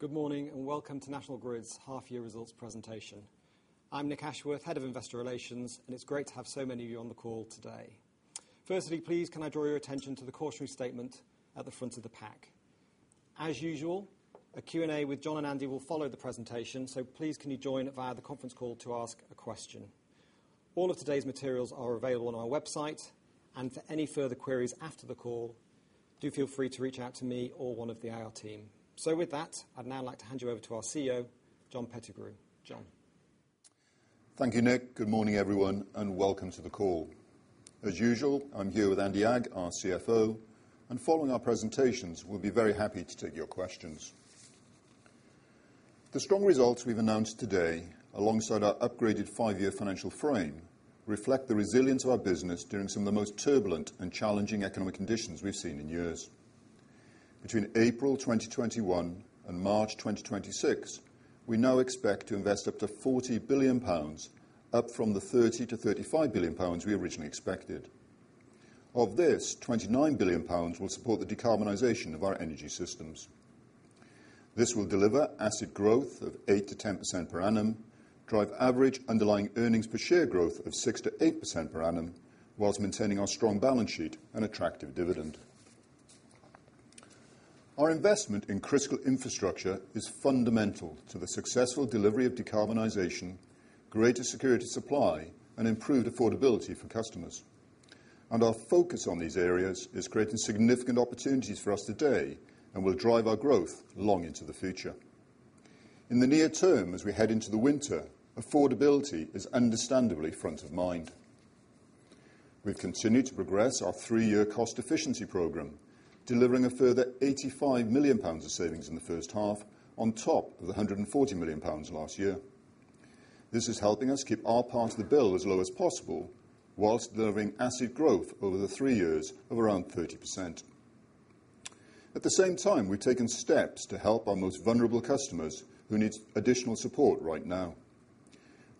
Good morning, and welcome to National Grid's half year results presentation. I'm Nick Ashworth, Head of Investor Relations, and it's great to have so many of you on the call today. Firstly, please can I draw your attention to the cautionary statement at the front of the pack. As usual, a Q&A with John and Andy will follow the presentation, so please can you join via the conference call to ask a question. All of today's materials are available on our website, and for any further queries after the call, do feel free to reach out to me or one of the IR team. With that, I'd now like to hand you over to our CEO, John Pettigrew. John? Thank you, Nick. Good morning, everyone, and welcome to the call. As usual, I'm here with Andy Agg, our CFO, and following our presentations, we'll be very happy to take your questions. The strong results we've announced today, alongside our upgraded five-year financial frame, reflect the resilience of our business during some of the most turbulent and challenging economic conditions we've seen in years. Between April 2021 and March 2026, we now expect to invest up to 40 billion pounds, up from the 30 billion-35 billion pounds we originally expected. Of this, 29 billion pounds will support the decarbonization of our energy systems. This will deliver asset growth of 8%-10% per annum, drive average underlying earnings per share growth of 6%-8% per annum, while maintaining our strong balance sheet and attractive dividend. Our investment in critical infrastructure is fundamental to the successful delivery of decarbonization, greater security supply, and improved affordability for customers. Our focus on these areas is creating significant opportunities for us today and will drive our growth long into the future. In the near term, as we head into the winter, affordability is understandably front of mind. We've continued to progress our three-year cost efficiency program, delivering a further 85 million pounds of savings in the first half on top of the 140 million pounds last year. This is helping us keep our part of the bill as low as possible while delivering asset growth over the three years of around 30%. At the same time, we've taken steps to help our most vulnerable customers who need additional support right now.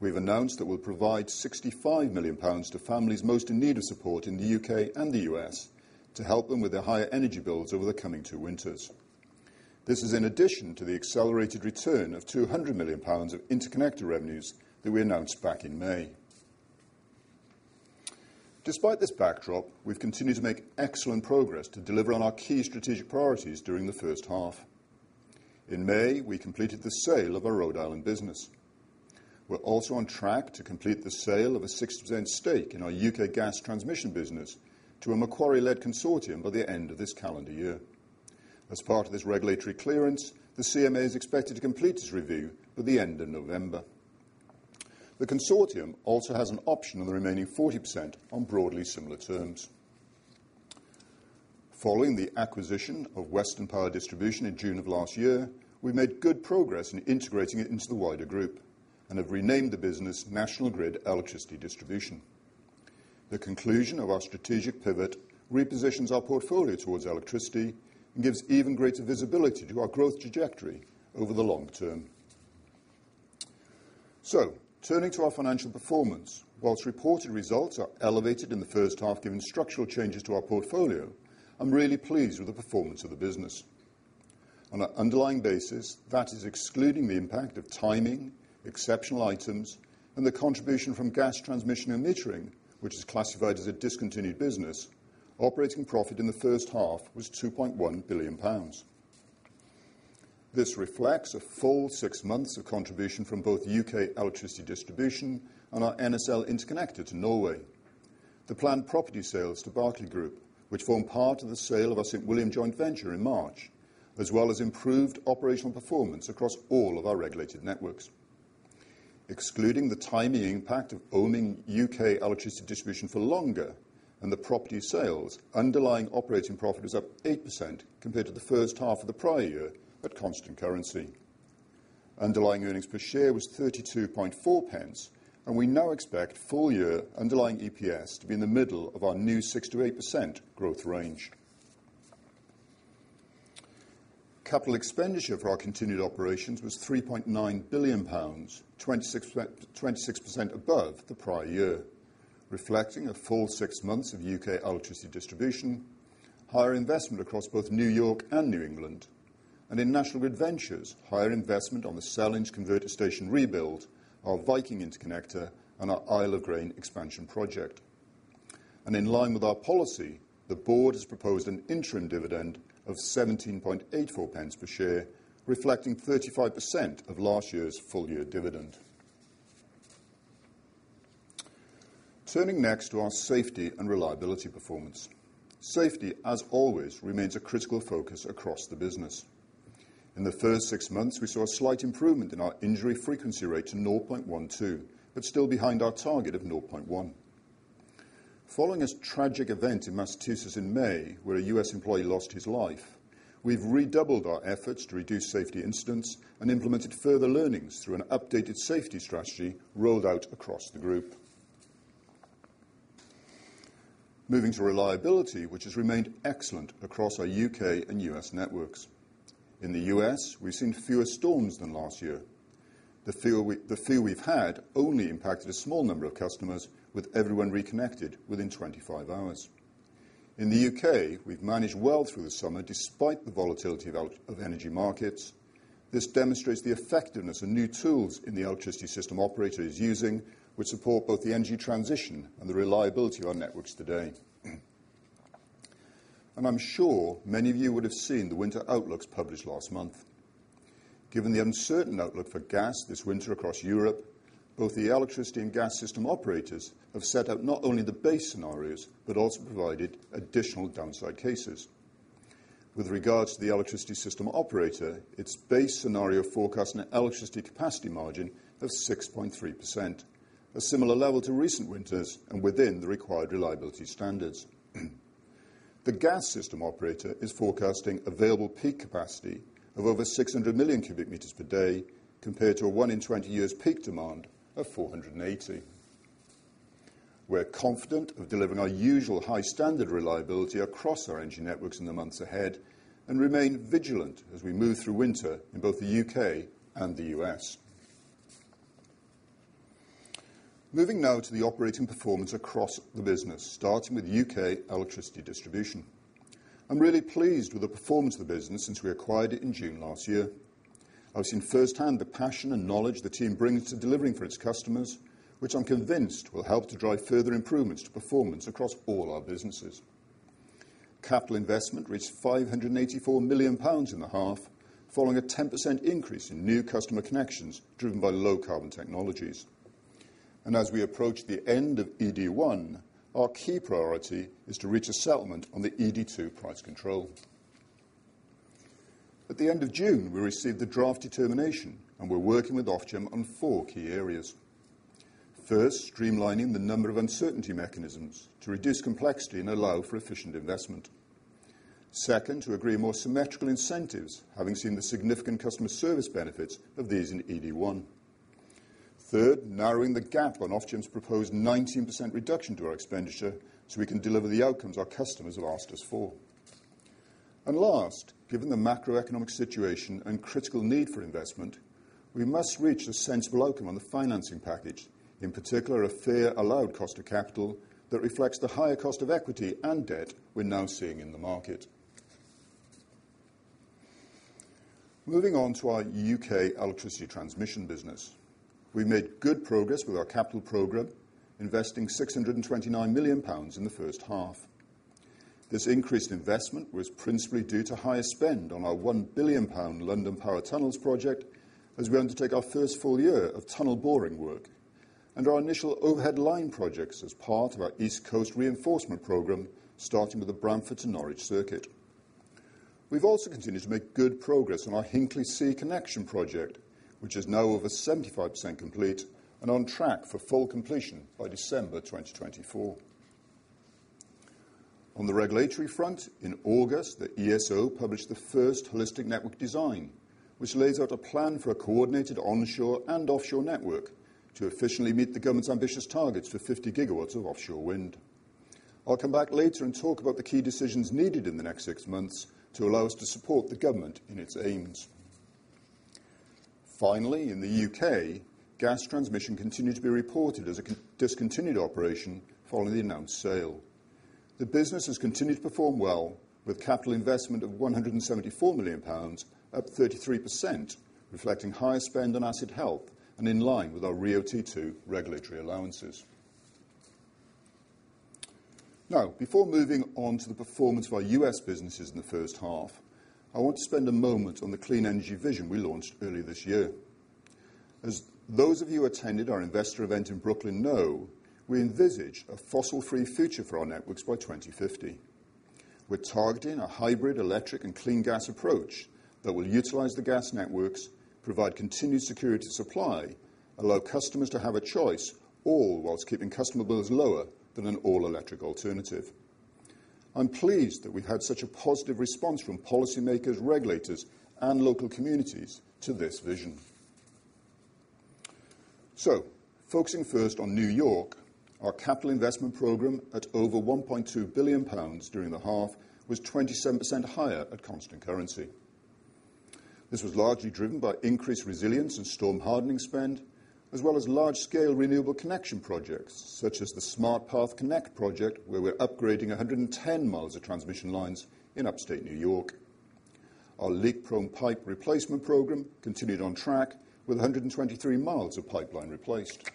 We've announced that we'll provide 65 million pounds to families most in need of support in the U.K. and the U.S. to help them with their higher energy bills over the coming 2 winters. This is in addition to the accelerated return of 200 million pounds of interconnector revenues that we announced back in May. Despite this backdrop, we've continued to make excellent progress to deliver on our key strategic priorities during the first half. In May, we completed the sale of our Rhode Island business. We're also on track to complete the sale of a 60% stake in our U.K. gas transmission business to a Macquarie-led consortium by the end of this calendar year. As part of this regulatory clearance, the CMA is expected to complete its review by the end of November. The consortium also has an option on the remaining 40% on broadly similar terms. Following the acquisition of Western Power Distribution in June of last year, we made good progress in integrating it into the wider group, and have renamed the business National Grid Electricity Distribution. The conclusion of our strategic pivot repositions our portfolio towards electricity and gives even greater visibility to our growth trajectory over the long term. Turning to our financial performance, while reported results are elevated in the first half given structural changes to our portfolio, I'm really pleased with the performance of the business. On an underlying basis, that is excluding the impact of timing, exceptional items, and the contribution from gas transmission and metering, which is classified as a discontinued business, operating profit in the first half was 2.1 billion pounds. This reflects a full six months of contribution from both UK Electricity Distribution and our NSL interconnector to Norway. The planned property sales to Berkeley Group, which form part of the sale of our St William joint venture in March, as well as improved operational performance across all of our regulated networks. Excluding the timing impact of owning UK Electricity Distribution for longer and the property sales, underlying operating profit was up 8% compared to the first half of the prior year at constant currency. Underlying earnings per share was 0.324, and we now expect full-year underlying EPS to be in the middle of our new 6%-8% growth range. Capital expenditure for our continued operations was 3.9 billion pounds, 26% above the prior year, reflecting a full six months of UK Electricity Distribution, higher investment across both New York and New England, and in National Grid Ventures, higher investment on the Sellindge converter station rebuild, our Viking Interconnector and our Isle of Grain expansion project. In line with our policy, the board has proposed an interim dividend of 17.84 pence per share, reflecting 35% of last year's full-year dividend. Turning next to our safety and reliability performance. Safety, as always, remains a critical focus across the business. In the first six months, we saw a slight improvement in our injury frequency rate to 0.12, but still behind our target of 0.1. Following a tragic event in Massachusetts in May, where a U.S. employee lost his life, we've redoubled our efforts to reduce safety incidents and implemented further learnings through an updated safety strategy rolled out across the group. Moving to reliability, which has remained excellent across our U.K. and U.S. networks. In the U.S., we've seen fewer storms than last year. The few we've had only impacted a small number of customers, with everyone reconnected within 25 hours. In the U.K., we've managed well through the summer despite the volatility of out of energy markets. This demonstrates the effectiveness of new tools in the Electricity System Operator is using, which support both the energy transition and the reliability of our networks today. I'm sure many of you would have seen the winter outlooks published last month. Given the uncertain outlook for gas this winter across Europe, both the electricity and gas system operators have set out not only the base scenarios, but also provided additional downside cases. With regards to the electricity system operator, its base scenario forecasts an electricity capacity margin of 6.3%, a similar level to recent winters and within the required reliability standards. The gas system operator is forecasting available peak capacity of over 600 million cubic meters per day compared to a one in twenty years peak demand of 480. We're confident of delivering our usual high-standard reliability across our energy networks in the months ahead and remain vigilant as we move through winter in both the U.K. and the U.S. Moving now to the operating performance across the business, starting with U.K. electricity distribution. I'm really pleased with the performance of the business since we acquired it in June last year. I've seen firsthand the passion and knowledge the team brings to delivering for its customers, which I'm convinced will help to drive further improvements to performance across all our businesses. Capital investment reached 584 million pounds in the half, following a 10% increase in new customer connections driven by low-carbon technologies. As we approach the end of ED1, our key priority is to reach a settlement on the ED2 price control. At the end of June, we received the draft determination, and we're working with Ofgem on four key areas. First, streamlining the number of uncertainty mechanisms to reduce complexity and allow for efficient investment. Second, to agree more symmetrical incentives, having seen the significant customer service benefits of these in ED1. Third, narrowing the gap on Ofgem's proposed 19% reduction to our expenditure so we can deliver the outcomes our customers have asked us for. Last, given the macroeconomic situation and critical need for investment, we must reach a sensible outcome on the financing package, in particular, a fair allowed cost of capital that reflects the higher cost of equity and debt we're now seeing in the market. Moving on to our UK electricity transmission business. We've made good progress with our capital program, investing 629 million pounds in the first half. This increased investment was principally due to higher spend on our 1 billion-pound London Power Tunnels project, as we undertake our first full year of tunnel boring work. Under our initial overhead line projects as part of our East Coast Reinforcement program, starting with the Bramford to Norwich circuit. We've also continued to make good progress on our Hinkley C connection project, which is now over 75% complete and on track for full completion by December 2024. On the regulatory front, in August, the ESO published the first Holistic Network Design, which lays out a plan for a coordinated onshore and offshore network to efficiently meet the government's ambitious targets for 50 gigawatts of offshore wind. I'll come back later and talk about the key decisions needed in the next six months to allow us to support the government in its aims. Finally, in the UK, gas transmission continued to be reported as a discontinued operation following the announced sale. The business has continued to perform well with capital investment of 174 million pounds, up 33%, reflecting higher spend on asset health and in line with our RIIO-T2 regulatory allowances. Now, before moving on to the performance of our U.S. businesses in the first half, I want to spend a moment on the clean energy vision we launched earlier this year. As those of you who attended our investor event in Brooklyn know, we envisage a fossil-free future for our networks by 2050. We're targeting a hybrid electric and clean gas approach that will utilize the gas networks, provide continued security of supply, allow customers to have a choice, all whilst keeping customer bills lower than an all-electric alternative. I'm pleased that we had such a positive response from policymakers, regulators, and local communities to this vision. Focusing first on New York, our capital investment program at over 1.2 billion pounds during the half was 27% higher at constant currency. This was largely driven by increased resilience and storm hardening spend, as well as large-scale renewable connection projects such as the Smart Path Connect project, where we're upgrading 110 miles of transmission lines in upstate New York. Our leak-prone pipe replacement program continued on track with 123 miles of pipeline replaced.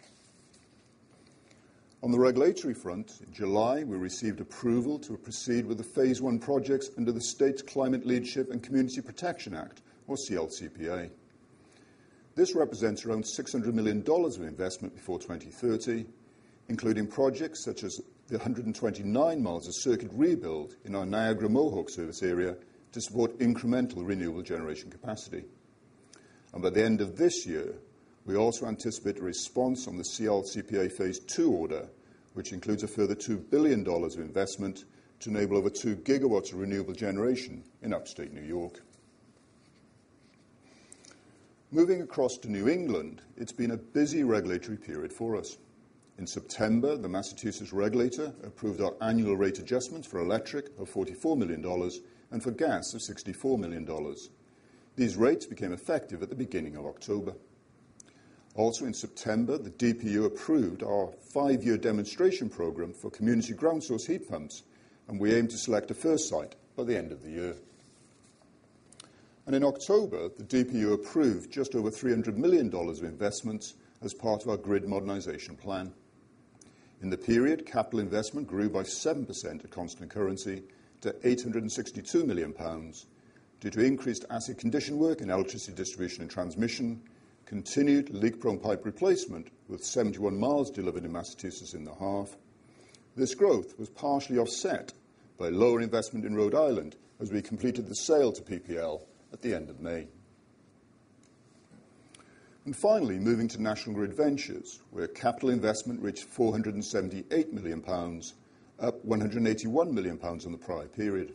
On the regulatory front, in July, we received approval to proceed with the phase one projects under the Climate Leadership and Community Protection Act, or CLCPA. This represents around $600 million of investment before 2030, including projects such as the 129 miles of circuit rebuild in our Niagara Mohawk service area to support incremental renewable generation capacity. By the end of this year, we also anticipate a response from the CLCPA phase two order, which includes a further $2 billion of investment to enable over 2 GW of renewable generation in Upstate New York. Moving across to New England, it's been a busy regulatory period for us. In September, the Massachusetts regulator approved our annual rate adjustments for electric of $44 million and for gas of $64 million. These rates became effective at the beginning of October. Also in September, the DPU approved our five-year demonstration program for community ground source heat pumps, and we aim to select a first site by the end of the year. In October, the DPU approved just over $300 million of investment as part of our Grid Modernization Plan. In the period, capital investment grew by 7% at constant currency to 862 million pounds due to increased asset condition work in electricity distribution and transmission, continued leak-prone pipe replacement, with 71 miles delivered in Massachusetts in the half. This growth was partially offset by lower investment in Rhode Island as we completed the sale to PPL at the end of May. Finally, moving to National Grid Ventures, where capital investment reached 478 million pounds, up 181 million pounds in the prior period.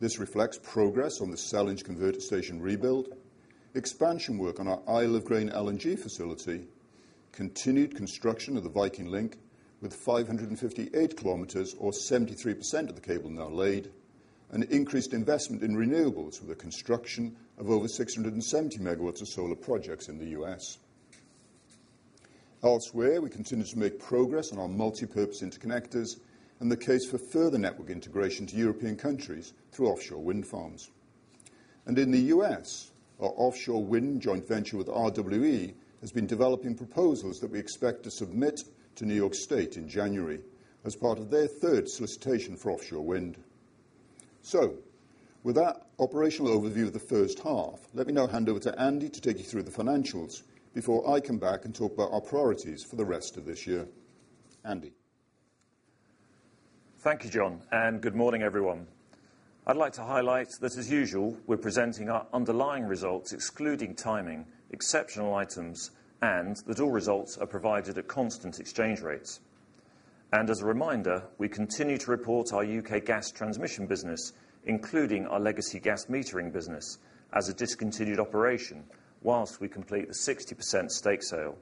This reflects progress on the Sellindge converter station rebuild, expansion work on our Isle of Grain LNG facility, continued construction of the Viking Link with 558 kilometers or 73% of the cable now laid, and increased investment in renewables with the construction of over 670 megawatts of solar projects in the US. Elsewhere, we continue to make progress on our multipurpose interconnectors and the case for further network integration to European countries through offshore wind farms. In the US, our offshore wind joint venture with RWE has been developing proposals that we expect to submit to New York State in January as part of their third solicitation for offshore wind. With that operational overview of the first half, let me now hand over to Andy to take you through the financials before I come back and talk about our priorities for the rest of this year. Andy? Thank you John and good morning, everyone. I'd like to highlight that, as usual, we're presenting our underlying results excluding timing, exceptional items, and that all results are provided at constant exchange rates. As a reminder, we continue to report our UK gas transmission business, including our legacy gas metering business, as a discontinued operation while we complete the 60% stake sale.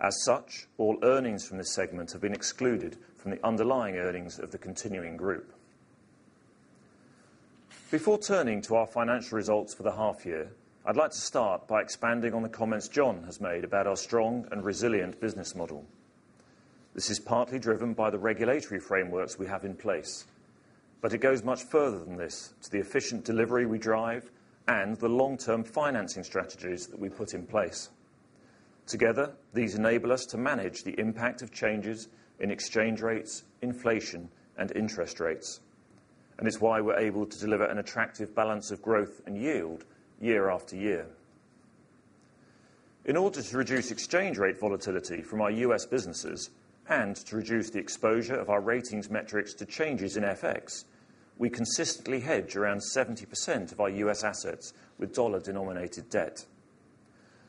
As such, all earnings from this segment have been excluded from the underlying earnings of the continuing group. Before turning to our financial results for the half year, I'd like to start by expanding on the comments John has made about our strong and resilient business model. This is partly driven by the regulatory frameworks we have in place, but it goes much further than this to the efficient delivery we drive and the long-term financing strategies that we put in place. Together, these enable us to manage the impact of changes in exchange rates, inflation, and interest rates, and it's why we're able to deliver an attractive balance of growth and yield year after year. In order to reduce exchange rate volatility from our US businesses and to reduce the exposure of our ratings metrics to changes in FX, we consistently hedge around 70% of our US assets with dollar-denominated debt.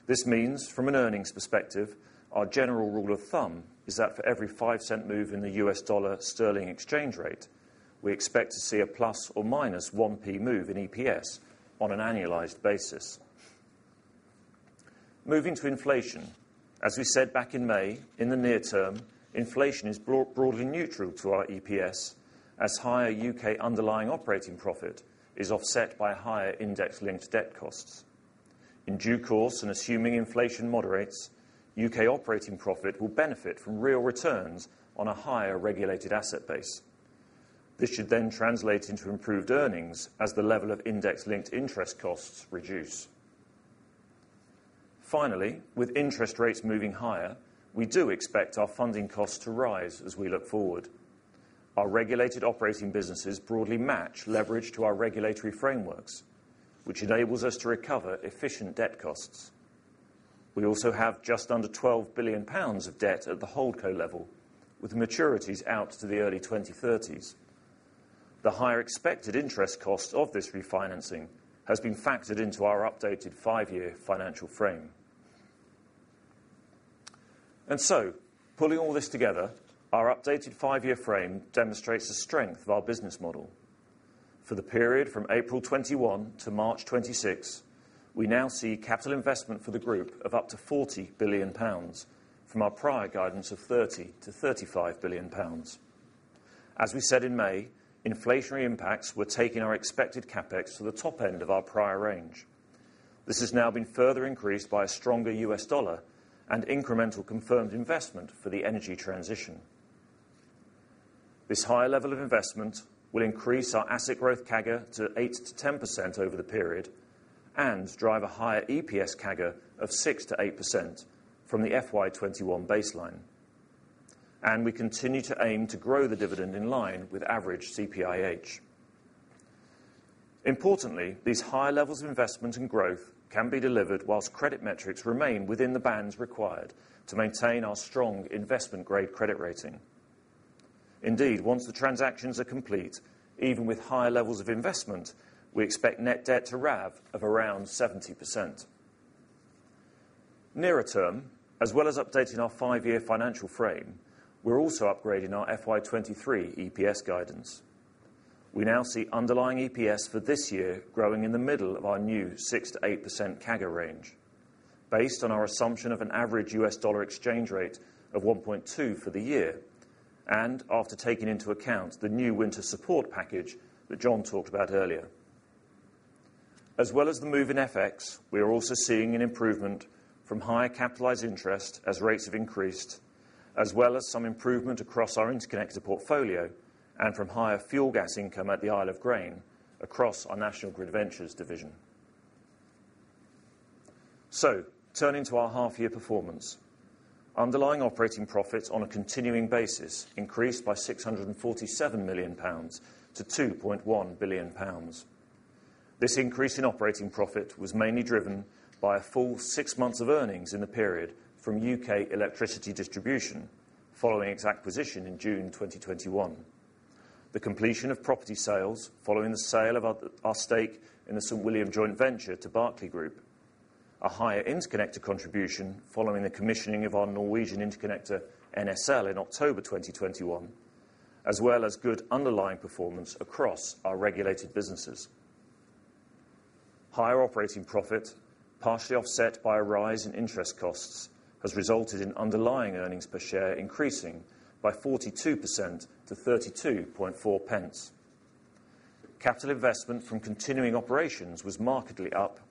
This means, from an earnings perspective, our general rule of thumb is that for every 0.05 move in the U.S. dollar sterling exchange rate, we expect to see a ±1p move in EPS on an annualized basis. Moving to inflation, as we said back in May, in the near term, inflation is broadly neutral to our EPS as higher UK underlying operating profit is offset by higher index-linked debt costs. In due course, and assuming inflation moderates, U.K. operating profit will benefit from real returns on a higher regulated asset base. This should then translate into improved earnings as the level of index-linked interest costs reduce. Finally with interest rates moving higher, we do expect our funding costs to rise as we look forward. Our regulated operating businesses broadly match leverage to our regulatory frameworks, which enables us to recover efficient debt costs. We also have just under 12 billion pounds of debt at the holdco level, with maturities out to the early 2030s. The higher expected interest cost of this refinancing has been factored into our updated five-year financial frame. Pulling all this together, our updated five-year frame demonstrates the strength of our business model. For the period from April 2021 to March 2026, we now see capital investment for the group of up to 40 billion pounds from our prior guidance of 30 billion-35 billion pounds. As we said in May, inflationary impacts were taking our expected CapEx to the top end of our prior range. This has now been further increased by a stronger U.S. dollar and incremental confirmed investment for the energy transition. This higher level of investment will increase our asset growth CAGR to 8%-10% over the period and drive a higher EPS CAGR of 6%-8% from the FY21 baseline. We continue to aim to grow the dividend in line with average CPIH. Importantly, these higher levels of investment and growth can be delivered while credit metrics remain within the bands required to maintain our strong investment-grade credit rating. Indeed, once the transactions are complete, even with higher levels of investment, we expect net debt to RAV of around 70%. Nearer term, as well as updating our five-year financial frame, we're also upgrading our FY23 EPS guidance. We now see underlying EPS for this year growing in the middle of our new 6%-8% CAGR range based on our assumption of an average U.S. dollar exchange rate of 1.2 for the year, and after taking into account the new winter support package that John talked about earlier. As well as the move in FX, we are also seeing an improvement from higher capitalized interest as rates have increased, as well as some improvement across our interconnector portfolio and from higher fuel gas income at the Isle of Grain across our National Grid Ventures division. Turning to our half-year performance, underlying operating profits on a continuing basis increased by 647 million pounds to 2.1 billion pounds. This increase in operating profit was mainly driven by a full six months of earnings in the period from UK Electricity Distribution following its acquisition in June 2021. The completion of property sales following the sale of our stake in the St William joint venture to Berkeley Group, a higher interconnector contribution following the commissioning of our Norwegian interconnector, NSL, in October 2021, as well as good underlying performance across our regulated businesses. Higher operating profit, partially offset by a rise in interest costs, has resulted in underlying earnings per share increasing by 42% to 32.4 pence. Capital investment from continuing operations was markedly up to GBP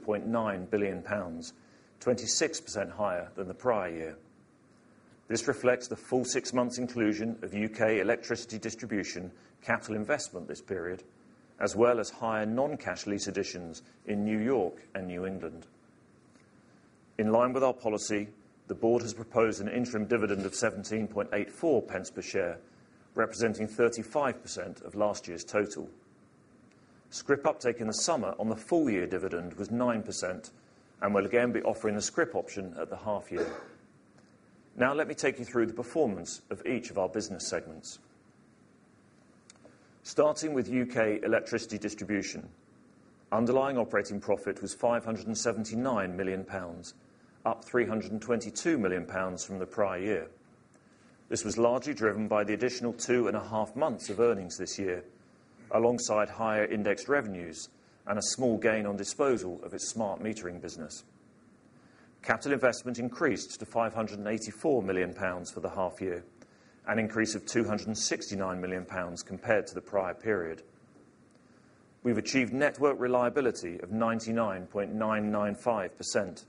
3.9 billion, 26% higher than the prior year. This reflects the full six months inclusion of UK Electricity Distribution capital investment this period, as well as higher non-cash lease additions in New York and New England. In line with our policy, the board has proposed an interim dividend of 0.1784 per share, representing 35% of last year's total. Scrip uptake in the summer on the full-year dividend was 9%, and we'll again be offering a scrip option at the half year. Now let me take you through the performance of each of our business segments. Starting with UK Electricity Distribution. Underlying operating profit was 579 million pounds, up 322 million pounds from the prior year. This was largely driven by the additional two and a half months of earnings this year, alongside higher indexed revenues and a small gain on disposal of its smart metering business. Capital investment increased to 584 million pounds for the half year, an increase of 269 million pounds compared to the prior period. We've achieved network reliability of 99.995%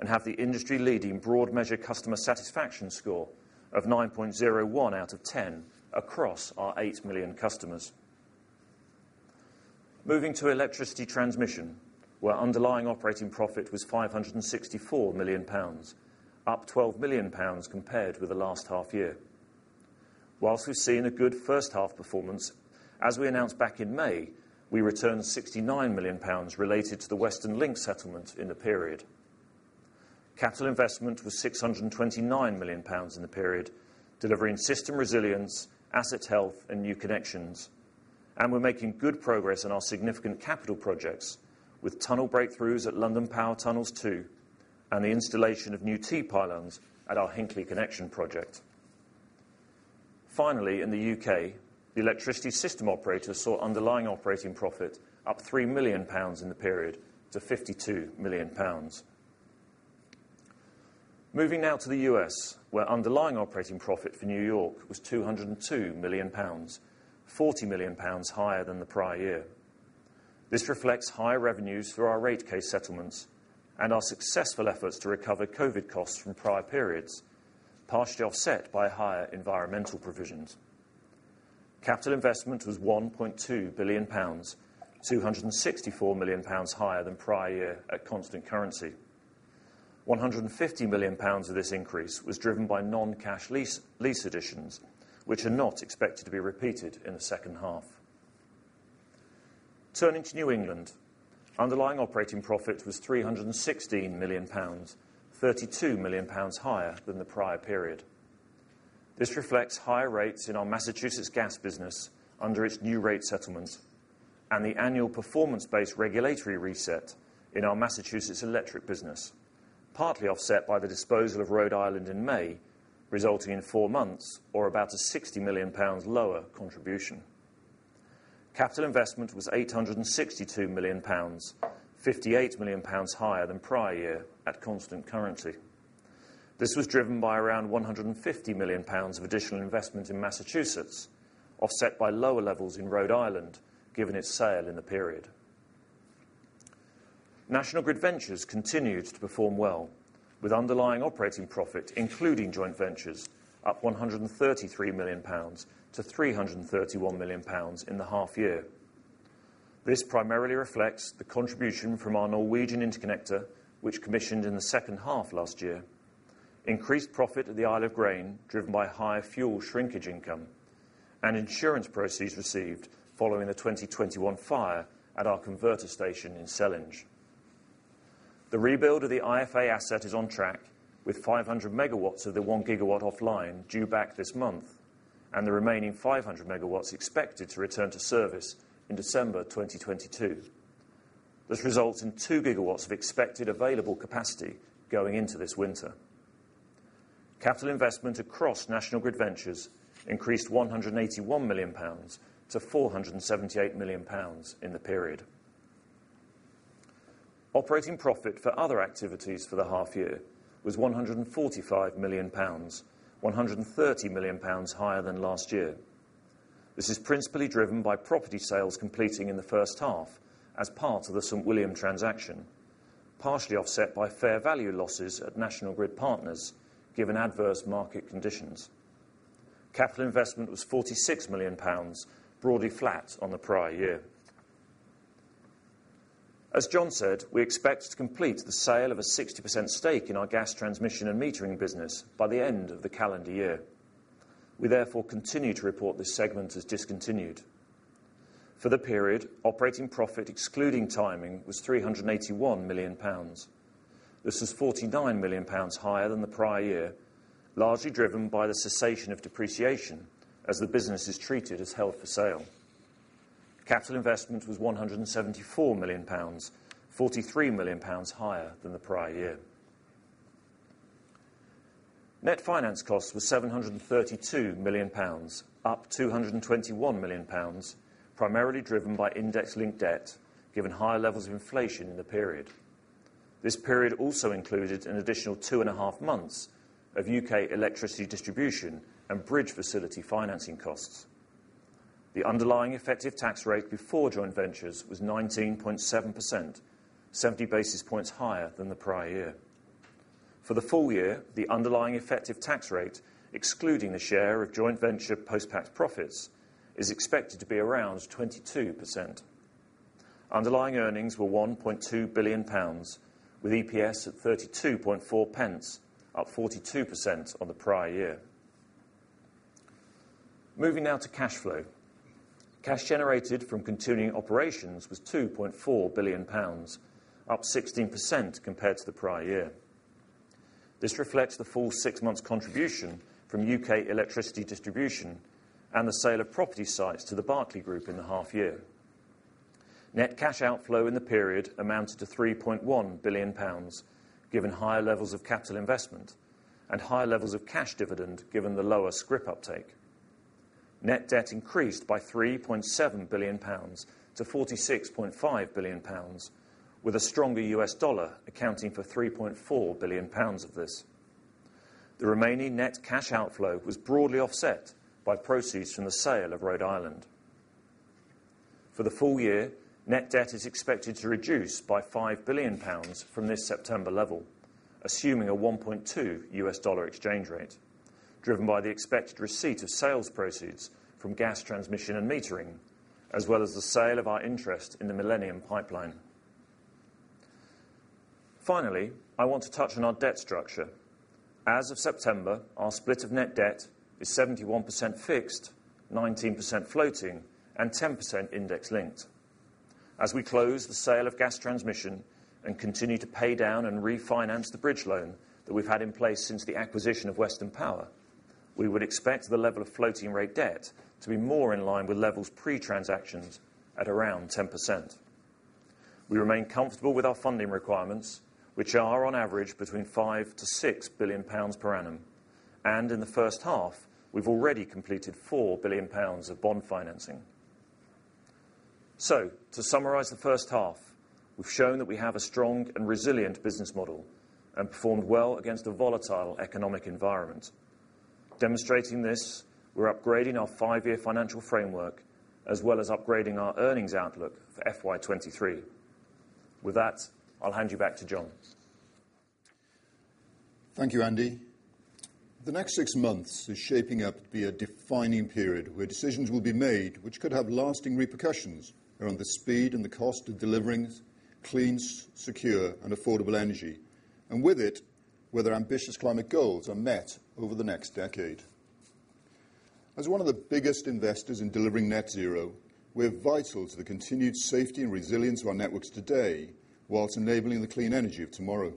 and have the industry-leading broad measure customer satisfaction score of 9.01 out of 10 across our 8 million customers. Moving to Electricity Transmission, where underlying operating profit was 564 million pounds, up 12 million pounds compared with the last half year. While we've seen a good first half performance, as we announced back in May, we returned 69 million pounds related to the Western Link settlement in the period. Capital investment was 629 million pounds in the period, delivering system resilience, asset health and new connections, and we're making good progress on our significant capital projects with tunnel breakthroughs at London Power Tunnels 2, and the installation of new T-pylons at our Hinkley Connection project. Finally, in the U.K., the electricity system operator saw underlying operating profit up 3 million pounds in the period to 52 million pounds. Moving now to the U.S., where underlying operating profit for New York was 202 million pounds, 40 million pounds higher than the prior year. This reflects higher revenues through our rate case settlements and our successful efforts to recover COVID costs from prior periods, partially offset by higher environmental provisions. Capital investment was 1.2 billion pounds, 264 million pounds higher than prior year at constant currency. 150 million pounds of this increase was driven by non-cash lease additions, which are not expected to be repeated in the second half. Turning to New England. Underlying operating profit was 316 million pounds, 32 million pounds higher than the prior period. This reflects higher rates in our Massachusetts gas business under its new rate settlement and the annual performance-based regulatory reset in our Massachusetts electric business, partly offset by the disposal of Rhode Island in May, resulting in four months, or about a 60 million pounds lower contribution. Capital investment was 862 million pounds, 58 million pounds higher than prior year at constant currency. This was driven by around 150 million pounds of additional investment in Massachusetts, offset by lower levels in Rhode Island, given its sale in the period. National Grid Ventures continued to perform well, with underlying operating profit, including joint ventures, up 133 million pounds to 331 million pounds in the half year. This primarily reflects the contribution from our Norwegian interconnector, which commissioned in the second half last year. Increased profit at the Isle of Grain, driven by higher fuel shrinkage income, and insurance proceeds received following the 2021 fire at our converter station in Sellindge. The rebuild of the IFA asset is on track, with 500 MW of the 1 GW offline due back this month, and the remaining 500 MW expected to return to service in December 2022. This results in 2 GW of expected available capacity going into this winter. Capital investment across National Grid Ventures increased 181 million pounds to 478 million pounds in the period. Operating profit for other activities for the half year was 145 million pounds, 130 million pounds higher than last year. This is principally driven by property sales completing in the first half as part of the St William transaction, partially offset by fair value losses at National Grid Partners, given adverse market conditions. Capital investment was 46 million pounds, broadly flat on the prior year. As John said, we expect to complete the sale of a 60% stake in our gas transmission and metering business by the end of the calendar year. We therefore continue to report this segment as discontinued. For the period, operating profit excluding timing, was 381 million pounds. This is 49 million pounds higher than the prior year, largely driven by the cessation of depreciation as the business is treated as held for sale. Capital investment was 174 million pounds, 43 million pounds higher than the prior year. Net finance costs were 732 million pounds, up 221 million pounds, primarily driven by index linked debt, given high levels of inflation in the period. This period also included an additional 2.5 months of UK electricity distribution and bridge facility financing costs. The underlying effective tax rate before joint ventures was 19.7%, 70 basis points higher than the prior year. For the full year, the underlying effective tax rate, excluding the share of joint venture post-tax profits, is expected to be around 22%. Underlying earnings were 1.2 billion pounds, with EPS at 32.4 pence, up 42% on the prior year. Moving now to cash flow. Cash generated from continuing operations was 2.4 billion pounds, up 16% compared to the prior year. This reflects the full six months contribution from UK Electricity Distribution and the sale of property sites to the Berkeley Group in the half year. Net cash outflow in the period amounted to 3.1 billion pounds, given higher levels of capital investment and higher levels of cash dividend given the lower scrip uptake. Net debt increased by 3.7 billion pounds to 46.5 billion pounds, with a stronger US dollar accounting for 3.4 billion pounds of this. The remaining net cash outflow was broadly offset by proceeds from the sale of Rhode Island. For the full year, net debt is expected to reduce by 5 billion pounds from this September level, assuming a 1.2 US dollar exchange rate, driven by the expected receipt of sales proceeds from gas transmission and metering as well as the sale of our interest in the Millennium Pipeline. I want to touch on our debt structure. As of September, our split of net debt is 71% fixed, 19% floating, and 10% index linked. As we close the sale of gas transmission and continue to pay down and refinance the bridge loan that we've had in place since the acquisition of Western Power, we would expect the level of floating rate debt to be more in line with levels pre-transactions at around 10%. We remain comfortable with our funding requirements, which are on average between 5 billion-6 billion pounds per annum. In the first half, we've already completed 4 billion pounds of bond financing. To summarize the first half, we've shown that we have a strong and resilient business model and performed well against a volatile economic environment. Demonstrating this, we're upgrading our five-year financial framework as well as upgrading our earnings outlook for FY 2023. With that, I'll hand you back to John. Thank you, Andy. The next six months is shaping up to be a defining period where decisions will be made, which could have lasting repercussions around the speed and the cost of delivering clean, secure, and affordable energy. With it, whether ambitious climate goals are met over the next decade. As one of the biggest investors in delivering net zero, we're vital to the continued safety and resilience of our networks today, while enabling the clean energy of tomorrow.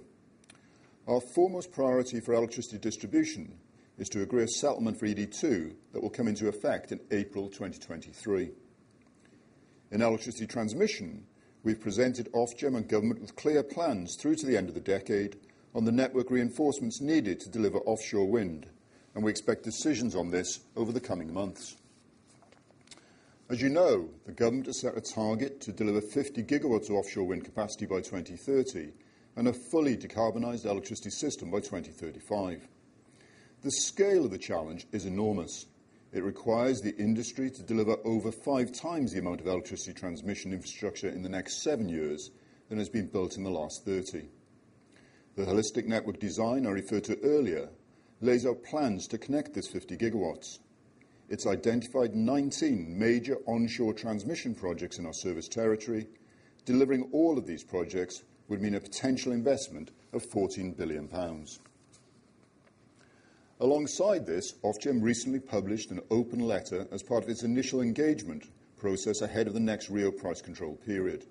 Our foremost priority for electricity distribution is to agree a settlement for ED2 that will come into effect in April 2023. In electricity transmission, we've presented Ofgem and government with clear plans through to the end of the decade on the network reinforcements needed to deliver offshore wind, and we expect decisions on this over the coming months. As you know, the government has set a target to deliver 50 GW of offshore wind capacity by 2030 and a fully decarbonized electricity system by 2035. The scale of the challenge is enormous. It requires the industry to deliver over five times the amount of electricity transmission infrastructure in the next seven years than has been built in the last 30. The Holistic Network Design I referred to earlier lays out plans to connect this 50 GW. It's identified 19 major onshore transmission projects in our service territory. Delivering all of these projects would mean a potential investment of 14 billion pounds. Alongside this, Ofgem recently published an open letter as part of its initial engagement process ahead of the next RIIO price control period.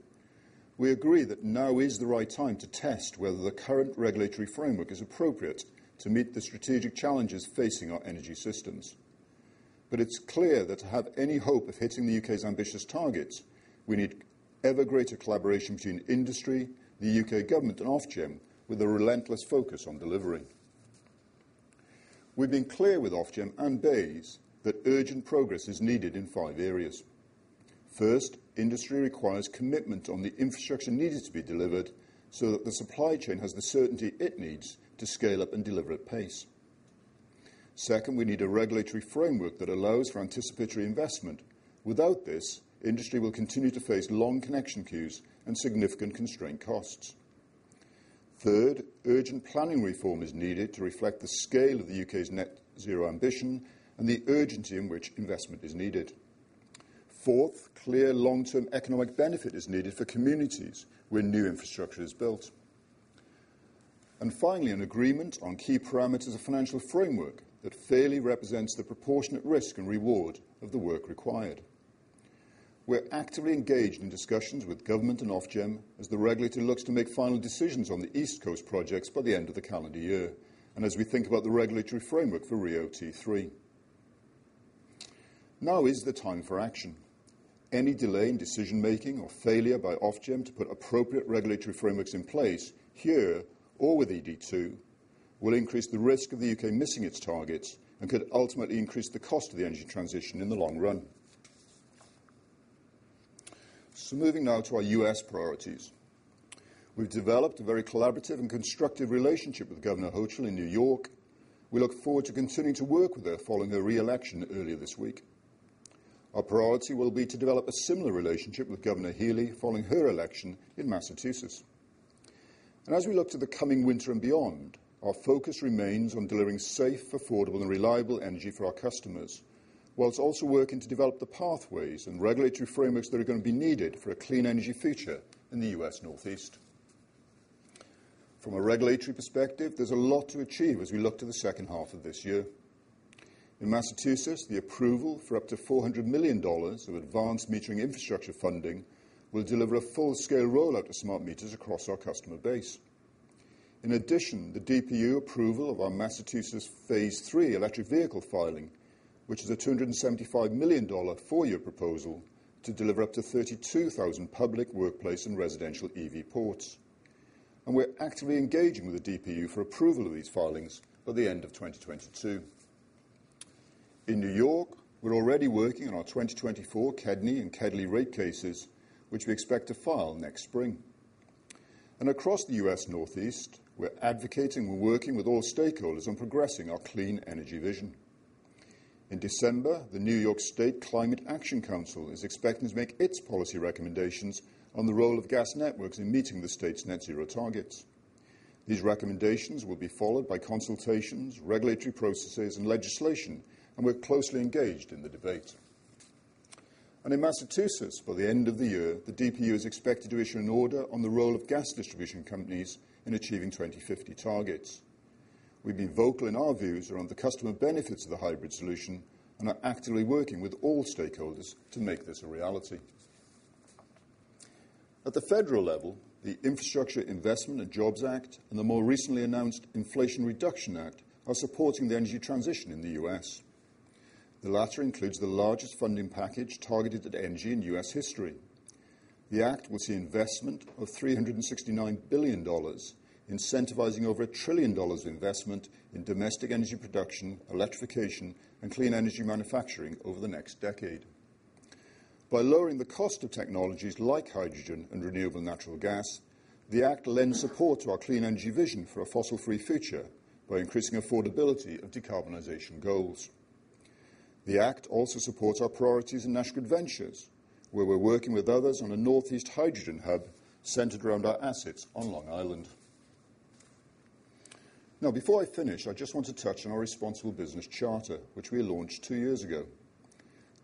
We agree that now is the right time to test whether the current regulatory framework is appropriate to meet the strategic challenges facing our energy systems. It's clear that to have any hope of hitting the U.K.'s ambitious targets, we need ever greater collaboration between industry, the U.K. government, and Ofgem with a relentless focus on delivering. We've been clear with Ofgem and BEIS that urgent progress is needed in five areas. First, industry requires commitment on the infrastructure needed to be delivered so that the supply chain has the certainty it needs to scale up and deliver at pace. Second, we need a regulatory framework that allows for anticipatory investment. Without this, industry will continue to face long connection queues and significant constraint costs. Third, urgent planning reform is needed to reflect the scale of the UK's net zero ambition and the urgency in which investment is needed. Fourth, clear long-term economic benefit is needed for communities where new infrastructure is built. Finally, an agreement on key parameters of financial framework that fairly represents the proportionate risk and reward of the work required. We're actively engaged in discussions with government and Ofgem as the regulator looks to make final decisions on the East Coast projects by the end of the calendar year, and as we think about the regulatory framework for RIIO-T3. Now is the time for action. Any delay in decision-making or failure by Ofgem to put appropriate regulatory frameworks in place here or with ED2 will increase the risk of the U.K. missing its targets and could ultimately increase the cost of the energy transition in the long run. Moving now to our U.S. priorities. We've developed a very collaborative and constructive relationship with Governor Hochul in New York. We look forward to continuing to work with her following her re-election earlier this week. Our priority will be to develop a similar relationship with Governor Healey following her election in Massachusetts. As we look to the coming winter and beyond, our focus remains on delivering safe, affordable and reliable energy for our customers, while also working to develop the pathways and regulatory frameworks that are going to be needed for a clean energy future in the U.S. Northeast. From a regulatory perspective, there's a lot to achieve as we look to the second half of this year. In Massachusetts, the approval for up to $400 million of advanced metering infrastructure funding will deliver a full-scale rollout of smart meters across our customer base. In addition, the DPU approval of our Massachusetts phase three electric vehicle filing, which is a $275 million four-year proposal to deliver up to 32,000 public, workplace, and residential EV ports. We're actively engaging with the DPU for approval of these filings by the end of 2022. In New York, we're already working on our 2024 KEDNY and KEDLI rate cases, which we expect to file next spring. Across the US Northeast, we're advocating, we're working with all stakeholders on progressing our clean energy vision. In December, the New York State Climate Action Council is expected to make its policy recommendations on the role of gas networks in meeting the state's net zero targets. These recommendations will be followed by consultations, regulatory processes, and legislation, and we're closely engaged in the debate. In Massachusetts, by the end of the year, the DPU is expected to issue an order on the role of gas distribution companies in achieving 2050 targets. We've been vocal in our views around the customer benefits of the hybrid solution and are actively working with all stakeholders to make this a reality. At the federal level, the Infrastructure Investment and Jobs Act and the more recently announced Inflation Reduction Act are supporting the energy transition in the U.S. The latter includes the largest funding package targeted at energy in U.S. history. The act will see investment of $369 billion, incentivizing over $1 trillion of investment in domestic energy production, electrification, and clean energy manufacturing over the next decade. By lowering the cost of technologies like hydrogen and renewable natural gas, the act lends support to our clean energy vision for a fossil-free future by increasing affordability of decarbonization goals. The act also supports our priorities in National Grid Ventures, where we're working with others on a Northeast hydrogen hub centered around our assets on Long Island. Now before I finish, I just want to touch on our Responsible Business Charter, which we launched two years ago.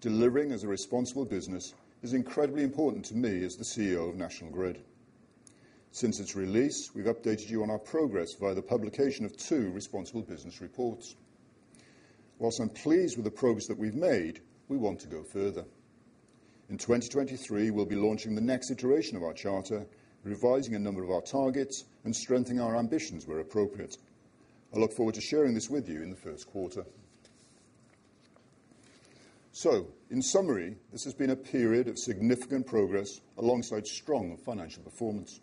Delivering as a responsible business is incredibly important to me as the CEO of National Grid. Since its release, we've updated you on our progress via the publication of two responsible business reports. While I'm pleased with the progress that we've made, we want to go further. In 2023, we'll be launching the next iteration of our charter, revising a number of our targets, and strengthening our ambitions where appropriate. I look forward to sharing this with you in the first quarter. In summary, this has been a period of significant progress alongside strong financial performance.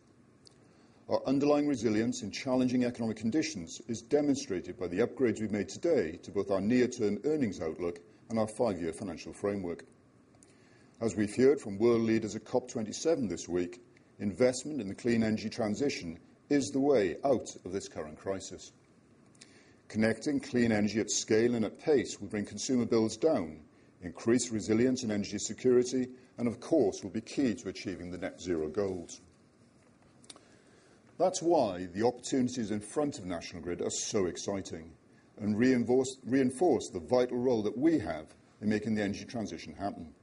Our underlying resilience in challenging economic conditions is demonstrated by the upgrades we've made today to both our near-term earnings outlook and our five-year financial framework. As we've heard from world leaders at COP 27 this week, investment in the clean energy transition is the way out of this current crisis. Connecting clean energy at scale and at pace will bring consumer bills down, increase resilience in energy security, and of course, will be key to achieving the net zero goals. That's why the opportunities in front of National Grid are so exciting and reinforce the vital role that we have in making the energy transition happen.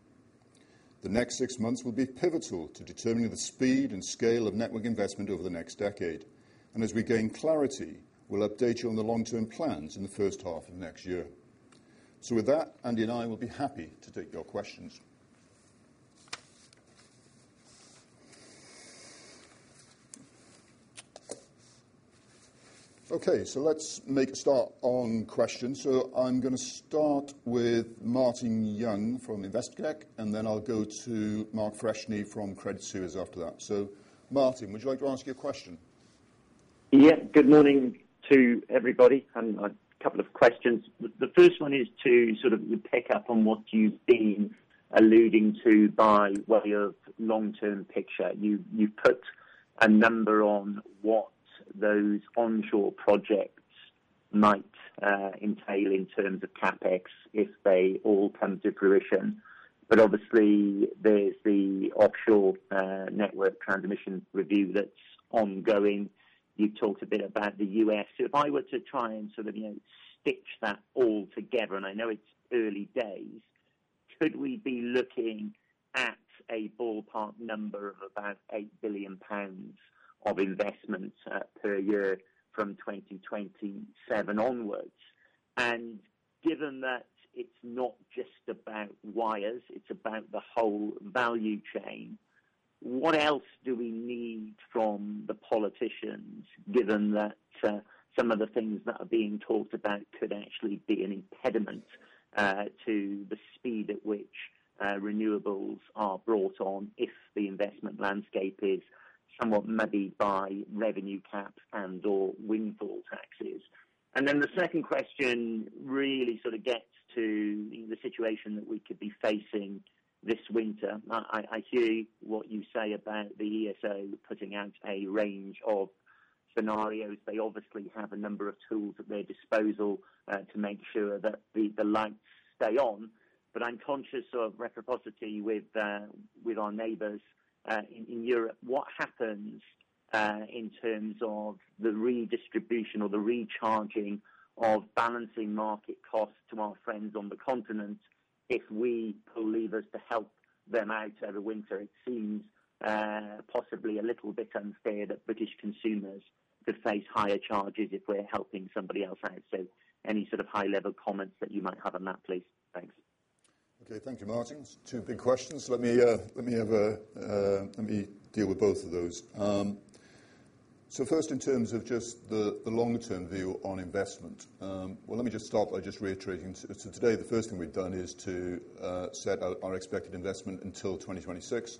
The next six months will be pivotal to determining the speed and scale of network investment over the next decade. As we gain clarity, we'll update you on the long-term plans in the first half of next year. With that, Andy and I will be happy to take your questions. Okay, let's make a start on questions. I'm gonna start with Martin Young from Investec, and then I'll go to Mark Freshney from Credit Suisse after that. Martin, would you like to ask your question? Yeah. Good morning to everybody, and a couple of questions. The first one is to sort of pick up on what you've been alluding to by way of long-term picture. You put a number on what those onshore projects might entail in terms of CapEx if they all come to fruition. Obviously, there's the offshore network transmission review that's ongoing. You've talked a bit about the U.S. If I were to try and sort of, you know, stitch that all together, and I know it's early days, could we be looking at a ballpark number of about 8 billion pounds of investments per year from 2027 onwards? Given that it's not just about wires, it's about the whole value chain, what else do we need from the politicians given that some of the things that are being talked about could actually be an impediment to the speed at which renewables are brought on if the investment landscape is somewhat muddied by revenue caps and/or windfall taxes? The second question really sort of gets to the situation that we could be facing this winter. I hear what you say about the ESO putting out a range of scenarios. They obviously have a number of tools at their disposal to make sure that the lights stay on, but I'm conscious of reciprocity with our neighbors in Europe. What happens in terms of the redistribution or the recharging of balancing market costs to our friends on the continent if we pull levers to help them out over winter? It seems possibly a little bit unfair that British consumers could face higher charges if we're helping somebody else out. Any sort of high-level comments that you might have on that, please? Thanks. Okay, thank you, Martin. Two big questions. Let me deal with both of those. First in terms of just the longer term view on investment, well, let me just start by just reiterating. Today, the first thing we've done is to set out our expected investment until 2026,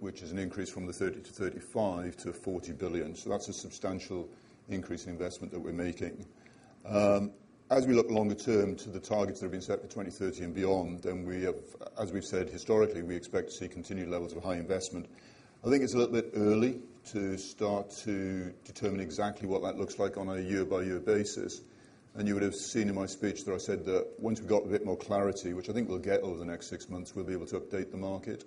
which is an increase from the 30 billion-35 billion to 40 billion. That's a substantial increase in investment that we're making. As we look longer term to the targets that have been set for 2030 and beyond, we have, as we've said historically, we expect to see continued levels of high investment. I think it's a little bit early to start to determine exactly what that looks like on a year-by-year basis. You would have seen in my speech that I said that once we've got a bit more clarity, which I think we'll get over the next 6 months, we'll be able to update the market.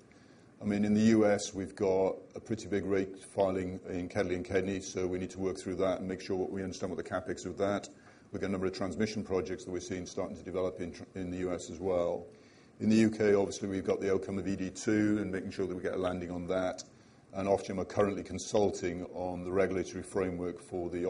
I mean, in the US, we've got a pretty big rate filing in KEDNY, so we need to work through that and make sure we understand what the CapEx of that. We've got a number of transmission projects that we're seeing starting to develop in the U.S. as well. In the U.K., obviously, we've got the outcome of ED2 and making sure that we get a landing on that. Ofgem are currently consulting on the regulatory framework for the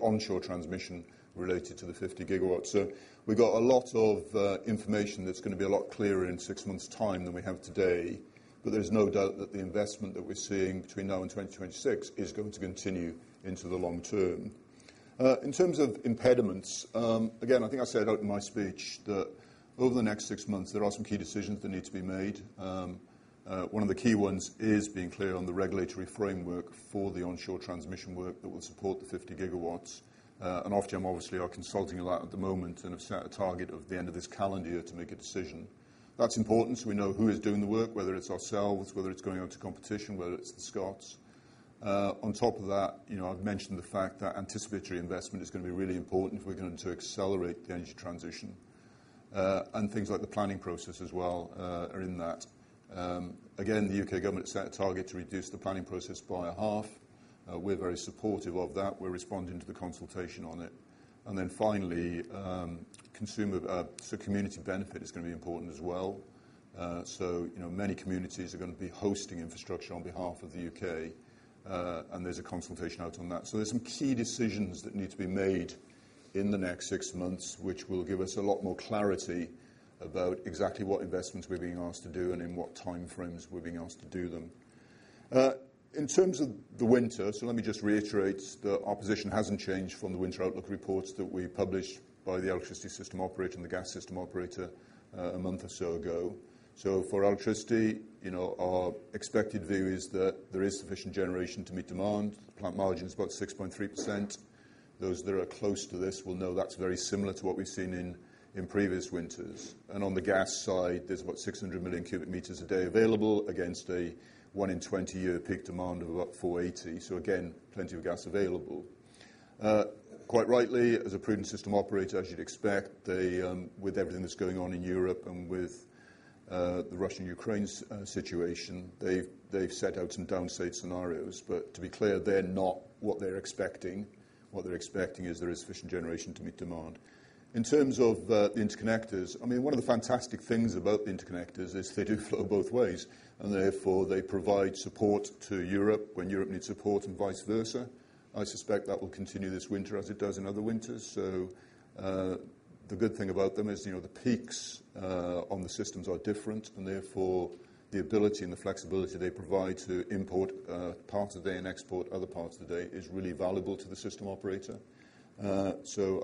onshore transmission related to the 50 GW. We've got a lot of information that's gonna be a lot clearer in six months' time than we have today, but there's no doubt that the investment that we're seeing between now and 2026 is going to continue into the long term. In terms of impediments, again, I think I laid out in my speech that over the next six months, there are some key decisions that need to be made. One of the key ones is being clear on the regulatory framework for the onshore transmission work that will support the 50 GW. Ofgem obviously are consulting a lot at the moment and have set a target of the end of this calendar year to make a decision. That's important so we know who is doing the work, whether it's ourselves, whether it's going out to competition, whether it's the Scots. On top of that, you know, I've mentioned the fact that anticipatory investment is gonna be really important if we're going to accelerate the energy transition. Things like the planning process as well are in that. Again, the U.K. government set a target to reduce the planning process by a half. We're very supportive of that. We're responding to the consultation on it. Then finally, community benefit is gonna be important as well. You know, many communities are gonna be hosting infrastructure on behalf of the U.K., and there's a consultation out on that. There's some key decisions that need to be made in the next six months, which will give us a lot more clarity about exactly what investments we're being asked to do and in what time frames we're being asked to do them. In terms of the winter, let me just reiterate that our position hasn't changed from the winter outlook reports that we published by the electricity system operator and the gas system operator, a month or so ago. For electricity, you know, our expected view is that there is sufficient generation to meet demand. Plant margin is about 6.3%. Those that are close to this will know that's very similar to what we've seen in previous winters. On the gas side, there's about 600 million cubic meters a day available against a one in 20-year peak demand of about 480. So again, plenty of gas available. Quite rightly, as a prudent system operator, as you'd expect, they, with everything that's going on in Europe and with, the Russian-Ukraine situation, they've set out some downside scenarios. But to be clear, they're not what they're expecting. What they're expecting is there is sufficient generation to meet demand. In terms of, the interconnectors, I mean, one of the fantastic things about the interconnectors is they do flow both ways, and therefore they provide support to Europe when Europe needs support and vice versa. I suspect that will continue this winter as it does in other winters. The good thing about them is, you know, the peaks on the systems are different, and therefore the ability and the flexibility they provide to import parts of the day and export other parts of the day is really valuable to the system operator. I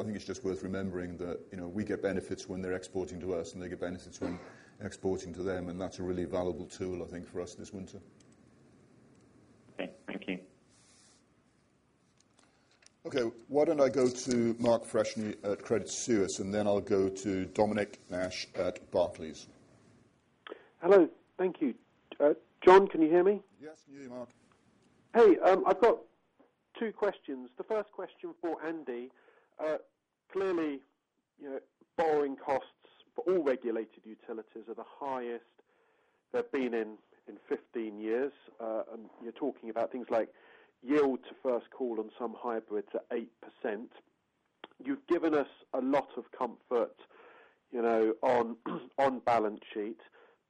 think it's just worth remembering that, you know, we get benefits when they're exporting to us, and they get benefits when exporting to them, and that's a really valuable tool, I think, for us this winter. Okay, thank you. Okay. Why don't I go to Mark Freshney at Credit Suisse, and then I'll go to Dominic Nash at Barclays. Hello. Thank you. John, can you hear me? Yes, we can hear you Mark. Hey, I've got two questions. The first question for Andy. Clearly, you know borrowing costs for all regulated utilities are the highest they've been in 15 years. And you're talking about things like yield to first call on some hybrids at 8%. You've given us a lot of comfort, you know, on balance sheet.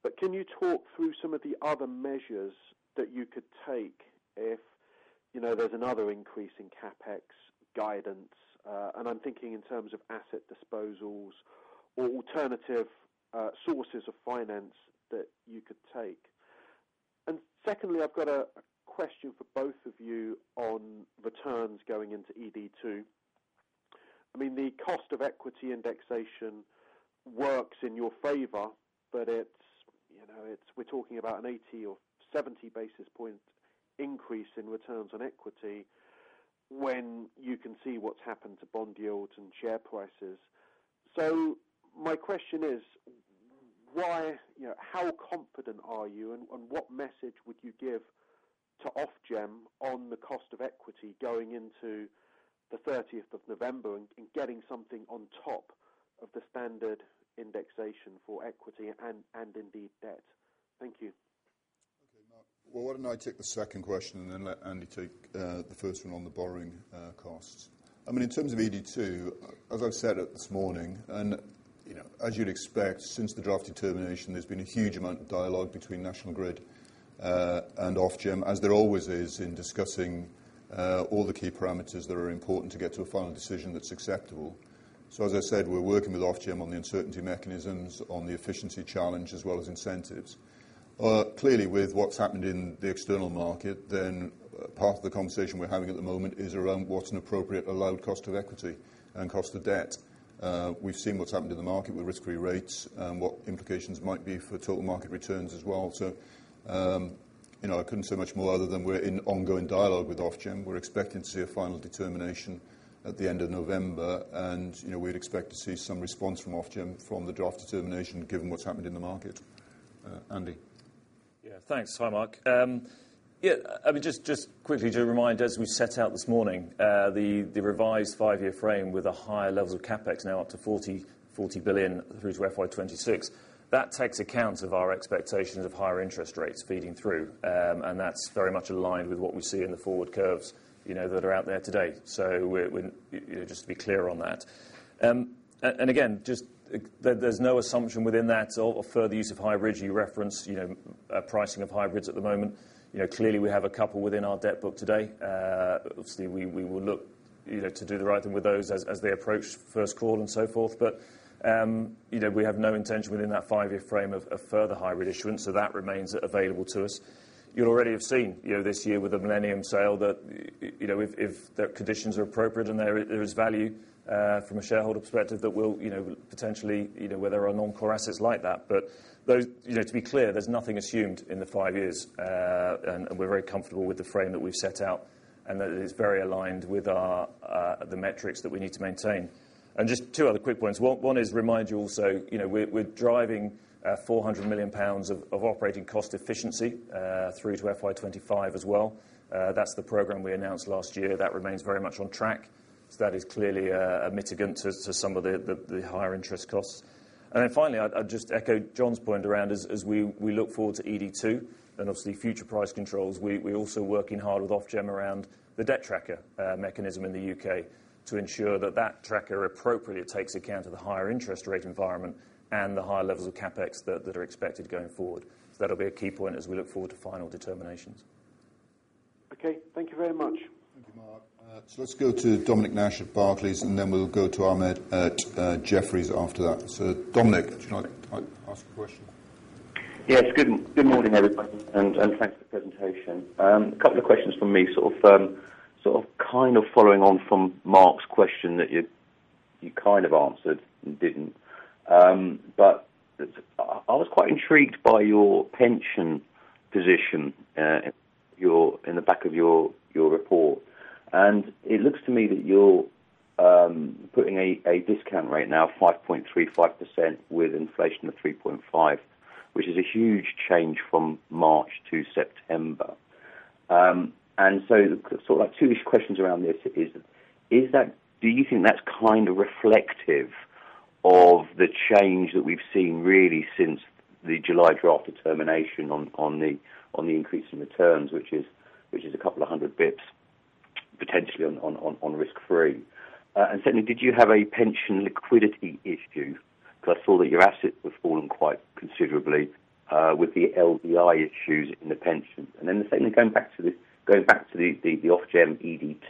But can you talk through some of the other measures that you could take if, you know, there's another increase in CapEx guidance? And I'm thinking in terms of asset disposals or alternative sources of finance that you could take. Secondly, I've got a question for both of you on returns going into ED2. I mean the cost of equity indexation works in your favor, but it's, you know, it's - we're talking about an 80 or 70 basis point increase in returns on equity when you can see what's happened to bond yields and share prices. My question is, why, you know, how confident are you and what message would you give to Ofgem on the cost of equity going into the thirtieth of November and getting something on top of the standard indexation for equity and indeed debt? Thank you. Okay, Mark. Well, why don't I take the second question and then let Andy take the first one on the borrowing costs? I mean in terms of ED2, as I've said this morning, and you know, as you'd expect, since the draft determination, there's been a huge amount of dialogue between National Grid and Ofgem, as there always is in discussing all the key parameters that are important to get to a final decision that's acceptable. We're working with Ofgem on the uncertainty mechanisms on the efficiency challenge, as well as incentives. Clearly with what's happened in the external market, part of the conversation we're having at the moment is around what's an appropriate allowed cost of equity and cost of debt. We've seen what's happened in the market with risk-free rates and what implications might be for total market returns as well. You know, I couldn't say much more other than we're in ongoing dialogue with Ofgem. We're expecting to see a final determination at the end of November. You know, we'd expect to see some response from Ofgem from the draft determination, given what's happened in the market. Andy? Yeah. Thanks. Hi, Mark. I mean, just quickly to remind, as we set out this morning, the revised five-year frame with the higher levels of CapEx now up to 40 billion through to FY26, that takes account of our expectations of higher interest rates feeding through. That's very much aligned with what we see in the forward curves, you know, that are out there today. We're you know, just to be clear on that. And again, just there's no assumption within that or further use of hybrids. You referenced, you know, pricing of hybrids at the moment. You know, clearly we have a couple within our debt book today. Obviously we will look, you know, to do the right thing with those as they approach first call and so forth. You know, we have no intention within that five-year frame of further hybrid issuance so that remains available to us. You'll already have seen, you know, this year with the Millennium sale that, you know, if the conditions are appropriate and there is value from a shareholder perspective, that we'll, you know, potentially, you know, where there are non-core assets like that. Those, you know, to be clear, there's nothing assumed in the five years. We're very comfortable with the frame that we've set out, and that it is very aligned with our the metrics that we need to maintain. Just two other quick points. One is to remind you also, you know, we're driving 400 million pounds of operating cost efficiency through to FY25 as well. That's the program we announced last year. That remains very much on track. That is clearly a mitigant to some of the higher interest costs. Then finally, I'd just echo John's point around as we look forward to ED2 and obviously future price controls, we're also working hard with Ofgem around the debt tracker mechanism in the UK to ensure that that tracker appropriately takes account of the higher interest rate environment and the higher levels of CapEx that are expected going forward. That'll be a key point as we look forward to final determinations. Okay. Thank you very much. Thank you, Mark. Let's go to Dominic Nash at Barclays, and then we'll go to Ahmed at Jefferies after that. Dominic, do you have a question? Yes. Good morning, everybody, and thanks for the presentation. A couple of questions from me, sort of, kind of following on from Mark's question that you kind of answered and didn't. I was quite intrigued by your pension position in the back of your report. It looks to me that you're putting a discount rate now 5.35% with inflation of 3.5%, which is a huge change from March to September. Sort of like two-ish questions around this is that do you think that's kind of reflective of the change that we've seen really since the July draft determination on the increase in returns, which is a couple of hundred basis points, potentially on risk-free? Secondly, did you have a pension liquidity issue? Because I saw that your assets have fallen quite considerably with the LDI issues in the pension. Then the second, going back to the Ofgem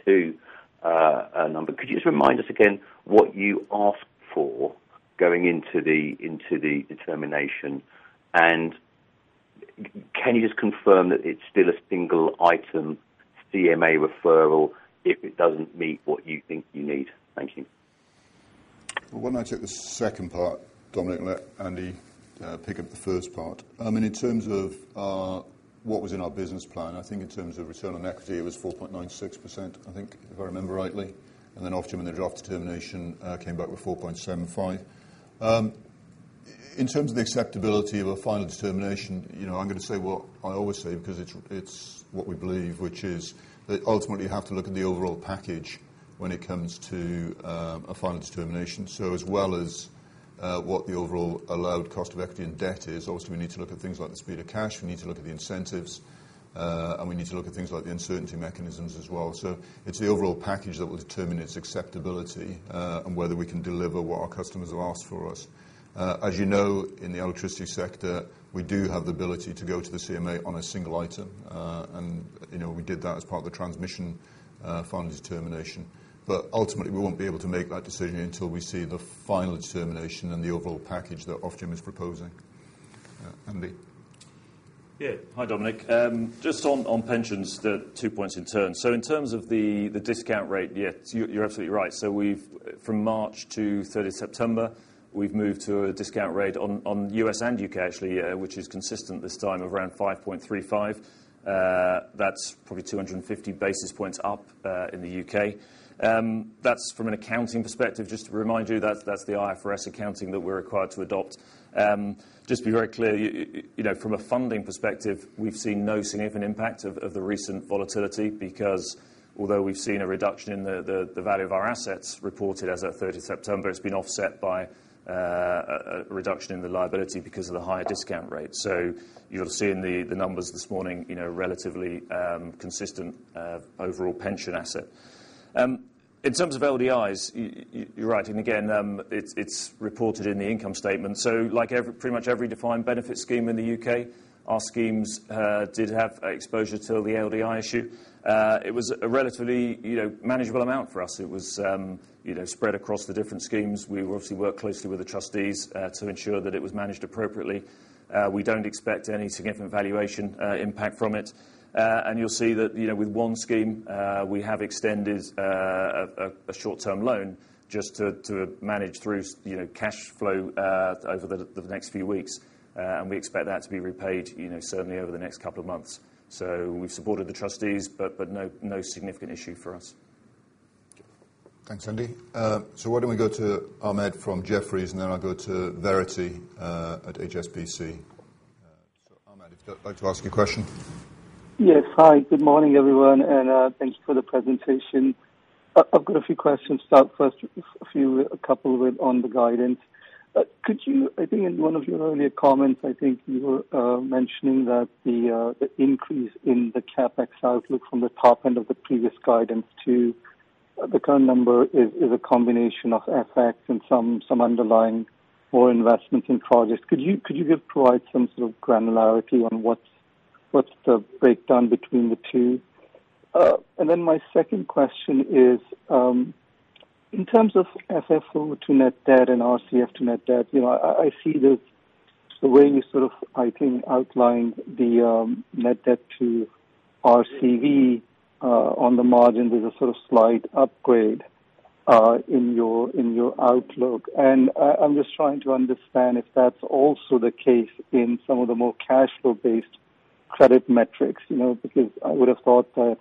ED2 number, could you just remind us again what you asked for going into the determination? Can you just confirm that it's still a single item CMA referral if it doesn't meet what you think you need? Thank you. Well, why don't I take the second part, Dominic, and let Andy pick up the first part. I mean in terms of what was in our business plan, I think in terms of return on equity, it was 4.96%, I think, if I remember rightly. Ofgem, in the draft determination, came back with 4.75%. In terms of the acceptability of a final determination, you know, I'm gonna say what I always say because it's what we believe, which is that ultimately you have to look at the overall package when it comes to a final determination. As well as what the overall allowed cost of equity and debt is, also we need to look at things like the speed of cash, we need to look at the incentives, and we need to look at things like the uncertainty mechanisms as well. It's the overall package that will determine its acceptability, and whether we can deliver what our customers have asked for us. As you know, in the electricity sector, we do have the ability to go to the CMA on a single item. You know, we did that as part of the transmission final determination. Ultimately, we won't be able to make that decision until we see the final determination and the overall package that Ofgem is proposing. Andy? Yeah. Hi, Dominic. Just on pensions, the two points in turn. In terms of the discount rate, yes, you're absolutely right. We've from March to third of September, we've moved to a discount rate on U.S. and U.K. actually, which is consistent this time of around 5.35. That's probably 250 basis points up in the U.K. That's from an accounting perspective, just to remind you, that's the IFRS accounting that we're required to adopt. Just to be very clear, you know, from a funding perspective, we've seen no significant impact of the recent volatility because although we've seen a reduction in the value of our assets reported as of third of September, it's been offset by a reduction in the liability because of the higher discount rate. You'll have seen the numbers this morning, you know, relatively consistent overall pension asset. In terms of LDIs, you're right. Again, it's reported in the income statement. Like pretty much every defined benefit scheme in the UK, our schemes did have exposure to the LDI issue. It was a relatively, you know, manageable amount for us. It was, you know, spread across the different schemes. We obviously worked closely with the trustees to ensure that it was managed appropriately. We don't expect any significant valuation impact from it. And you'll see that, you know, with one scheme, we have extended a short-term loan just to manage through you know cash flow over the next few weeks. We expect that to be repaid, you know, certainly over the next couple of months. We've supported the trustees, but no significant issue for us. Thanks, Andy. Why don't we go to Ahmed from Jefferies, and then I'll go to Verity at HSBC. Ahmed, if you'd like to ask your question. Yes. Hi, good morning, everyone, and thanks for the presentation. I've got a few questions. To start, a couple of it on the guidance. Could you provide some sort of granularity on what's the breakdown between the two? I think in one of your earlier comments, I think you were mentioning that the increase in the CapEx outlook from the top end of the previous guidance to the current number is a combination of FX and some underlying core investments in projects. My second question is, in terms of FFO to net debt and RCF to net debt, you know, I see the way you sort of, I think, outlined the net debt to RAV, on the margin, there's a sort of slight upgrade in your outlook. I'm just trying to understand if that's also the case in some of the more cash flow-based credit metrics, you know. Because I would have thought that,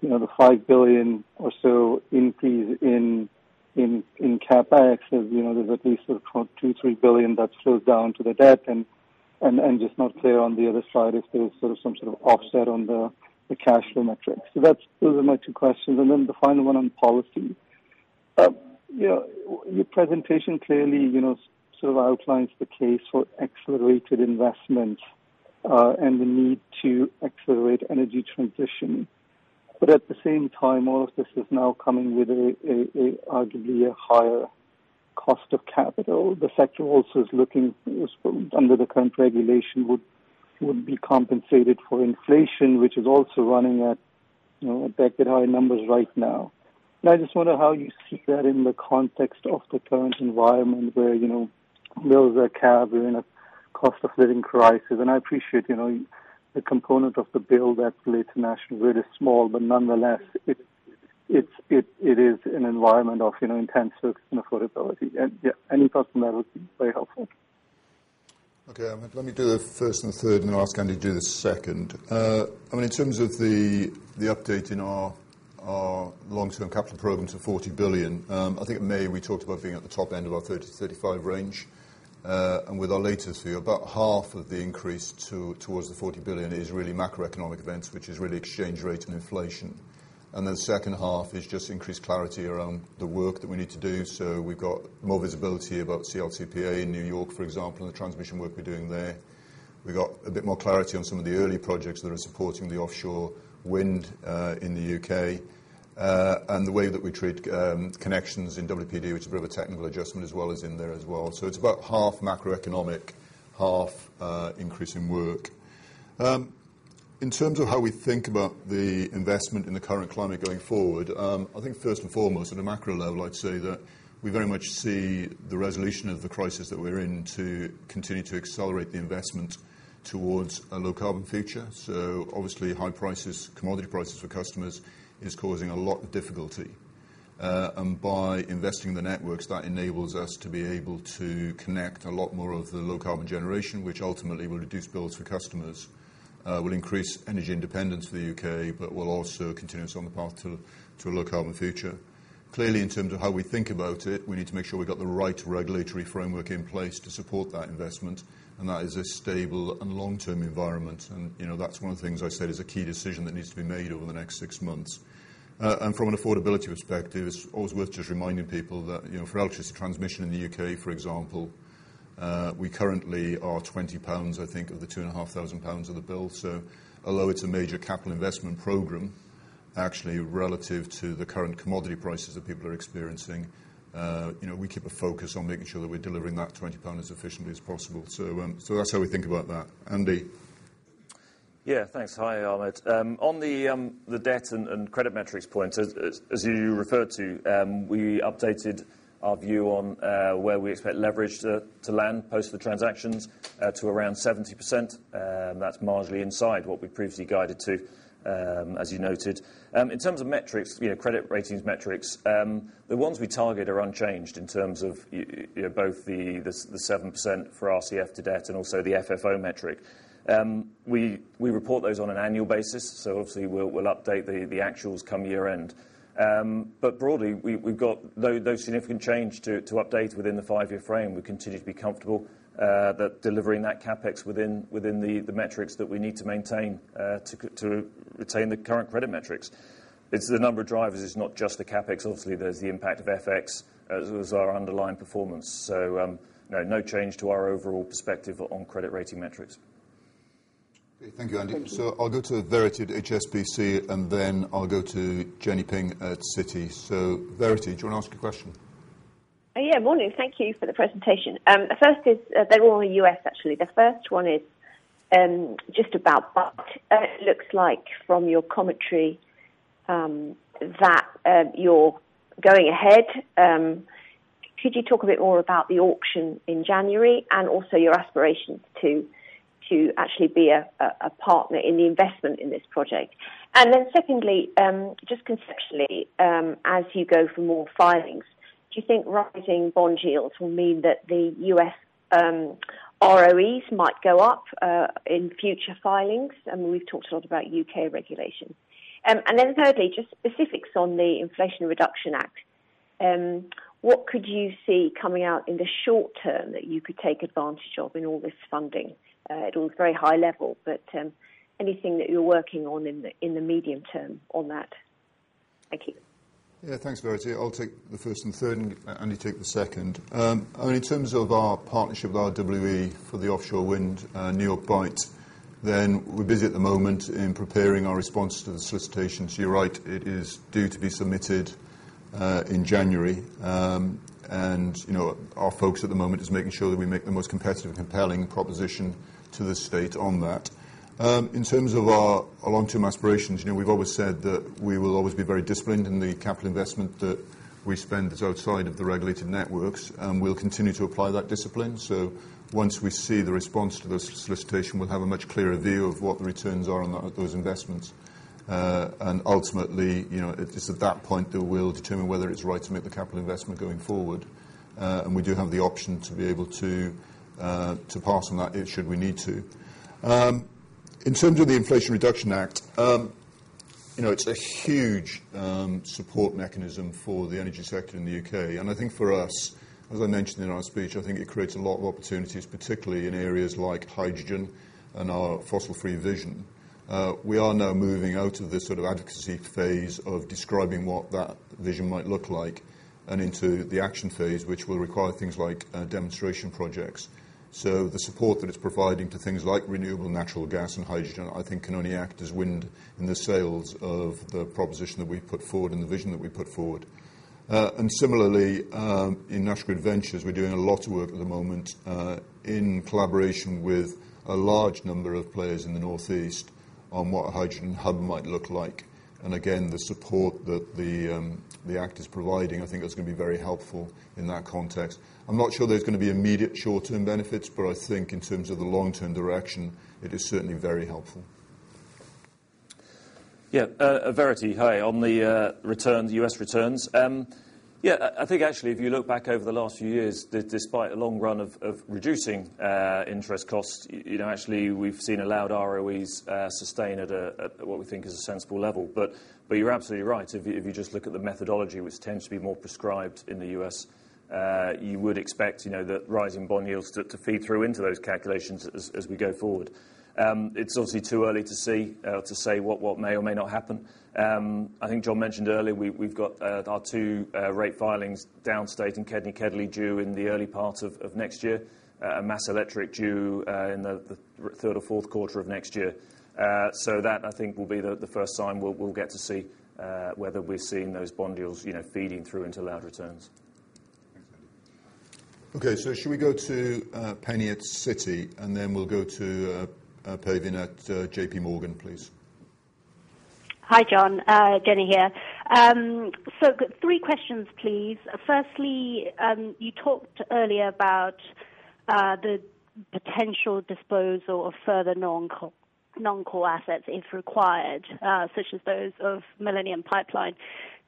you know, the 5 billion or so increase in CapEx is, you know, there's at least 2-3 billion that flows down to the debt and I'm just not clear on the other side if there was sort of some sort of offset on the cash flow metrics. That's those are my two questions. The final one on policy. Your presentation clearly, you know, sort of outlines the case for accelerated investment and the need to accelerate energy transition. At the same time, all of this is now coming with arguably a higher cost of capital. The sector also, under the current regulation, would be compensated for inflation, which is also running at, you know, a decade high numbers right now. I just wonder how you see that in the context of the current environment where, you know, bills are capped, we're in a cost of living crisis. I appreciate, you know, the component of the bill that relates to National Grid is small, but nonetheless it is an environment of, you know, intense focus on affordability. Yeah, any thoughts on that would be very helpful. Okay, Ahmed. Let me do the first and the third, and I'll ask Andy to do the second. I mean, in terms of the update in our long-term capital program to 40 billion, I think in May we talked about being at the top end of our 30-35 range. With our latest view, about half of the increase towards the 40 billion is really macroeconomic events, which is really exchange rate and inflation. The second half is just increased clarity around the work that we need to do. We've got more visibility about CLCPA in New York, for example, and the transmission work we're doing there. We've got a bit more clarity on some of the early projects that are supporting the offshore wind in the U.K. The way that we treat connections in WPD, which is a bit of a technical adjustment as well, is in there as well. It's about half macroeconomic, half increase in work. In terms of how we think about the investment in the current climate going forward, I think first and foremost, at a macro level, I'd say that we very much see the resolution of the crisis that we're in to continue to accelerate the investment towards a low carbon future. Obviously high prices, commodity prices for customers is causing a lot of difficulty. By investing in the networks, that enables us to be able to connect a lot more of the low carbon generation, which ultimately will reduce bills for customers, will increase energy independence for the U.K., but will also continue us on the path to a low carbon future. Clearly, in terms of how we think about it, we need to make sure we've got the right regulatory framework in place to support that investment, and that is a stable and long-term environment. You know, that's one of the things I said is a key decision that needs to be made over the next six months. From an affordability perspective, it's always worth just reminding people that, you know, for electricity transmission in the UK, for example, we currently are 20 pounds, I think, of the 2,500 pounds of the bill. Although it's a major capital investment program, actually relative to the current commodity prices that people are experiencing, you know, we keep a focus on making sure that we're delivering that 20 pound as efficiently as possible. That's how we think about that. Andy? Yeah, thanks. Hi, Ahmed. On the debt and credit metrics point, as you referred to, we updated our view on where we expect leverage to land post the transactions to around 70%. That's marginally inside what we previously guided to, as you noted. In terms of metrics, you know, credit ratings metrics, the ones we target are unchanged in terms of you know, both the 7% for RCF to debt and also the FFO metric. We report those on an annual basis, so obviously we'll update the actuals come year end. Broadly, we've got no significant change to update within the five-year frame. We continue to be comfortable that delivering that CapEx within the metrics that we need to maintain to retain the current credit metrics. It's the number of drivers, it's not just the CapEx. Obviously, there's the impact of FX as well as our underlying performance. No change to our overall perspective on credit rating metrics. Okay, thank you Andy. Thank you. I'll go to Verity at HSBC, and then I'll go to Jenny Ping at Citi. Verity, do you wanna ask a question? Yeah. Morning. Thank you for the presentation. First, they're all on the U.S. actually. The first one is just about what it looks like from your commentary that you're going ahead. Could you talk a bit more about the auction in January and also your aspirations to actually be a partner in the investment in this project? Secondly, just conceptually, as you go for more filings, do you think rising bond yields will mean that the U.S. ROEs might go up in future filings? I mean, we've talked a lot about U.K. regulation. Thirdly, just specifics on the Inflation Reduction Act. What could you see coming out in the short term that you could take advantage of in all this funding? It was very high level but anything that you're working on in the medium term on that? Thank you. Yeah, thanks Verity. I'll take the first and third, and Andy, take the second. I mean in terms of our partnership with RWE for the offshore wind, New York Bight, we're busy at the moment in preparing our response to the solicitation. You're right, it is due to be submitted in January. You know, our focus at the moment is making sure that we make the most competitive and compelling proposition to the state on that. In terms of our long-term aspirations, you know, we've always said that we will always be very disciplined in the capital investment that we spend that's outside of the regulated networks, and we'll continue to apply that discipline. Once we see the response to the solicitation, we'll have a much clearer view of what the returns are on those investments. Ultimately, you know it's at that point that we'll determine whether it's right to make the capital investment going forward. We do have the option to pass on that if we should need to. In terms of the Inflation Reduction Act, you know, it's a huge support mechanism for the energy sector in the U.K. I think for us, as I mentioned in our speech, I think it creates a lot of opportunities, particularly in areas like hydrogen and our fossil free vision. We are now moving out of this sort of advocacy phase of describing what that vision might look like and into the action phase, which will require things like demonstration projects. The support that it's providing to things like renewable natural gas and hydrogen, I think can only act as wind in the sails of the proposition that we put forward and the vision that we put forward. Similarly, in National Grid Ventures, we're doing a lot of work at the moment, in collaboration with a large number of players in the Northeast on what a hydrogen hub might look like. Again, the support that the act is providing, I think that's gonna be very helpful in that context. I'm not sure there's gonna be immediate short-term benefits, but I think in terms of the long-term direction, it is certainly very helpful. Yeah. Verity, hi. On the returns, U.S. returns, yeah I think actually, if you look back over the last few years, despite a long run of reducing interest costs, you know, actually we've seen allowed ROEs sustain at what we think is a sensible level. You're absolutely right. If you just look at the methodology, which tends to be more prescribed in the U.S., you would expect, you know, the rising bond yields to feed through into those calculations as we go forward. It's obviously too early to say what may or may not happen. I think John mentioned earlier, we've got our two rate filings downstate in KEDNY and KEDLI due in the early part of next year, and Massachusetts Electric due in the third or fourth quarter of next year. That I think will be the first time we'll get to see whether we're seeing those bond deals, you know, feeding through into allowed returns. Thanks, Andy. Okay, should we go to Penny at Citi and then we'll go to Pavan at JP Morgan, please? Hi, John. Jenny here. Three questions, please. Firstly, you talked earlier about The potential disposal of further non-core assets if required, such as those of Millennium Pipeline.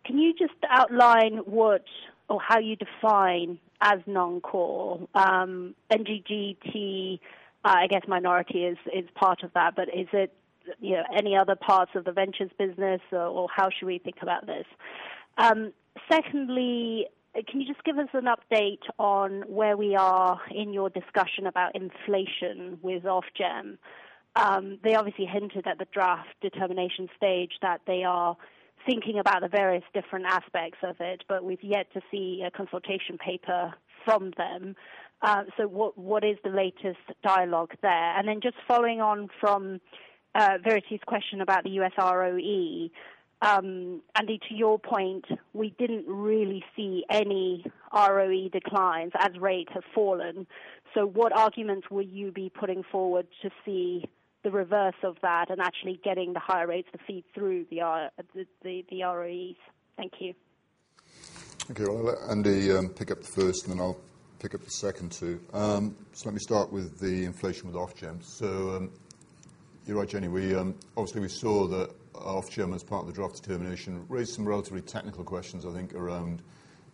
Can you just outline what or how you define as non-core? NGGT, I guess minority is part of that, but is it, you know, any other parts of the ventures business or how should we think about this? Secondly, can you just give us an update on where we are in your discussion about inflation with Ofgem? They obviously hinted at the draft determination stage that they are thinking about the various different aspects of it, but we've yet to see a consultation paper from them. So what is the latest dialogue there? Then just following on from Verity's question about the U.S. ROE, Andy to your point, we didn't really see any ROE declines as rates have fallen. What arguments will you be putting forward to see the reverse of that and actually getting the higher rates to feed through the ROEs? Thank you. Okay. I'll let Andy pick up the first, and then I'll pick up the second two. Let me start with the inflation with Ofgem. You're right, Jenny, we obviously saw that Ofgem as part of the draft determination raised some relatively technical questions, I think, around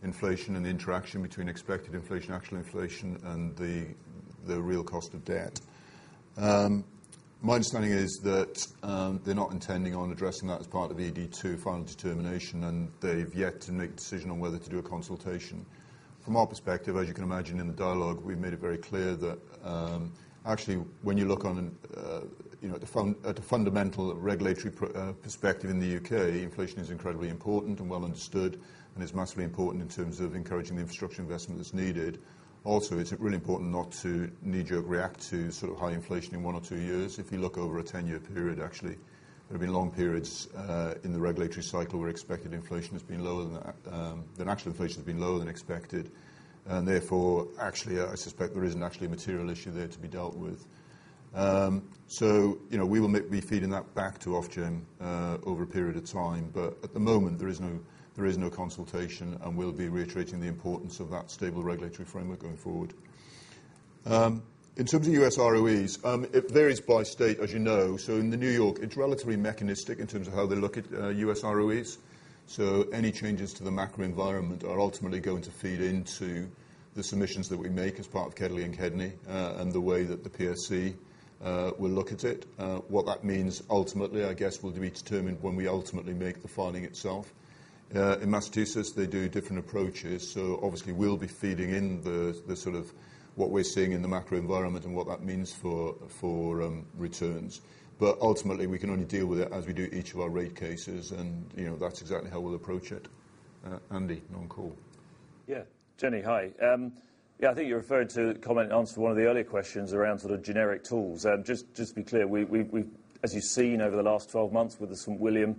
inflation and the interaction between expected inflation, actual inflation, and the real cost of debt. My understanding is that they're not intending on addressing that as part of ED2 final determination, and they've yet to make a decision on whether to do a consultation. From our perspective, as you can imagine in the dialogue, we've made it very clear that, actually when you look on, you know, at a fundamental regulatory perspective in the U.K., inflation is incredibly important and well understood and is massively important in terms of encouraging the infrastructure investment that's needed. It's really important not to knee-jerk react to sort of high inflation in one or two years. If you look over a 10-year period, actually, there have been long periods in the regulatory cycle where expected inflation has been lower than actual inflation has been lower than expected. Therefore, actually, I suspect there isn't actually a material issue there to be dealt with. You know, we will be feeding that back to Ofgem over a period of time. At the moment, there is no consultation, and we'll be reiterating the importance of that stable regulatory framework going forward. In terms of US ROEs, it varies by state, as you know. In New York, it's relatively mechanistic in terms of how they look at US ROEs. Any changes to the macro environment are ultimately going to feed into the submissions that we make as part of KEDLI and KEDNY, and the way that the PSC will look at it. What that means ultimately, I guess, will be determined when we ultimately make the filing itself. In Massachusetts, they do different approaches. Obviously we'll be feeding in the sort of what we're seeing in the macro environment and what that means for returns. Ultimately, we can only deal with it as we do each of our rate cases. You know, that's exactly how we'll approach it. Andy, non-core. Yeah. Jenny, hi. Yeah, I think you're referring to the comment and answer one of the earlier questions around sort of generic tools. Just to be clear, we've as you've seen over the last 12 months with the St William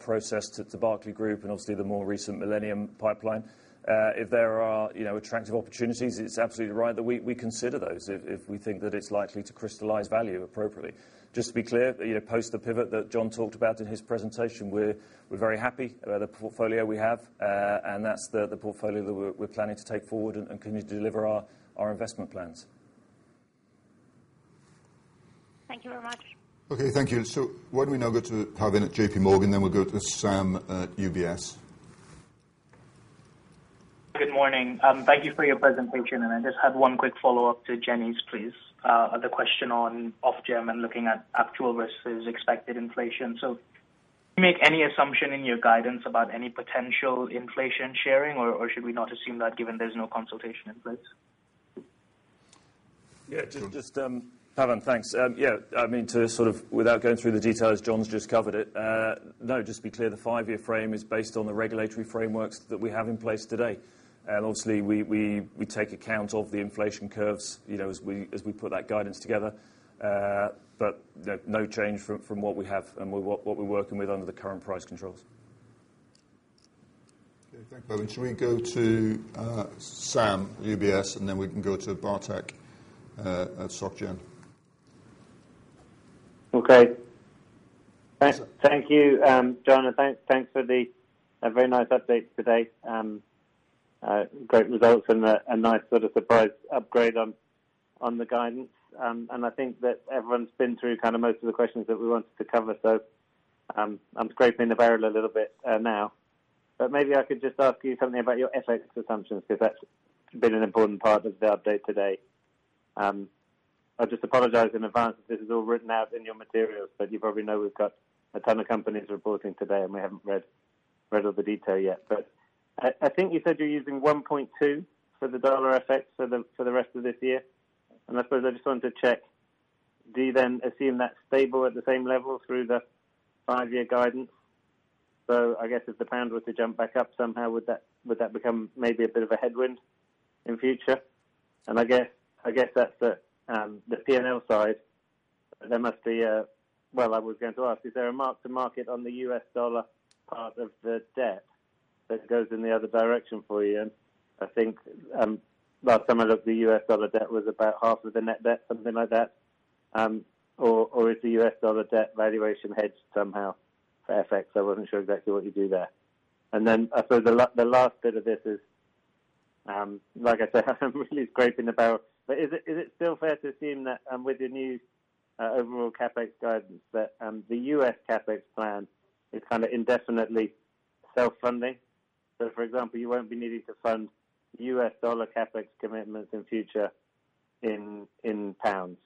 process to Berkeley Group and obviously the more recent Millennium Pipeline, if there are, you know, attractive opportunities, it's absolutely right that we consider those if we think that it's likely to crystallize value appropriately. Just to be clear, you know, post the pivot that John talked about in his presentation, we're very happy about the portfolio we have, and that's the portfolio that we're planning to take forward and continue to deliver our investment plans. Thank you very much. Okay, thank you. Why don't we now go to Pavan at JP Morgan, then we'll go to Sam at UBS. Good morning. Thank you for your presentation. I just had one quick follow-up to Jenny's, please. The question on Ofgem and looking at actual versus expected inflation. Do you make any assumption in your guidance about any potential inflation sharing, or should we not assume that given there's no consultation in place? Yeah. Just Pavan, thanks. Yeah, I mean, to sort of without going through the details, John's just covered it. No, just to be clear, the five-year frame is based on the regulatory frameworks that we have in place today. Obviously, we take account of the inflation curves, you know, as we put that guidance together. No change from what we have and what we're working with under the current price controls. Okay thanks, Pavan. Shall we go to Sam, UBS, and then we can go to Bartek at Societe Generale. Okay. Thank you John, and thanks for a very nice update today. Great results and a nice sort of surprise upgrade on the guidance. I think that everyone's been through kind of most of the questions that we wanted to cover. I'm scraping the barrel a little bit now. Maybe I could just ask you something about your FX assumptions, because that's been an important part of the update today. I'll just apologize in advance if this is all written out in your materials, but you probably know we've got a ton of companies reporting today, and we haven't read all the detail yet. I think you said you're using 1.2 for the dollar FX for the rest of this year. I suppose I just wanted to check, do you then assume that's stable at the same level through the five-year guidance? I guess if the pound were to jump back up somehow, would that become maybe a bit of a headwind in future? I guess that's the P&L side. There must be a. Well, I was going to ask, is there a mark to market on the US dollar part of the debt that goes in the other direction for you? I think last time I looked, the U.S. dollar debt was about half of the net debt, something like that. Or is the U.S. dollar debt valuation hedged somehow for FX? I wasn't sure exactly what you do there. I suppose the last bit of this is, like I said, I'm really scraping the barrel. Is it still fair to assume that, with your new overall CapEx guidance, that the US CapEx plan is kind of indefinitely self-funding? For example, you won't be needing to fund US dollar CapEx commitments in future in pounds.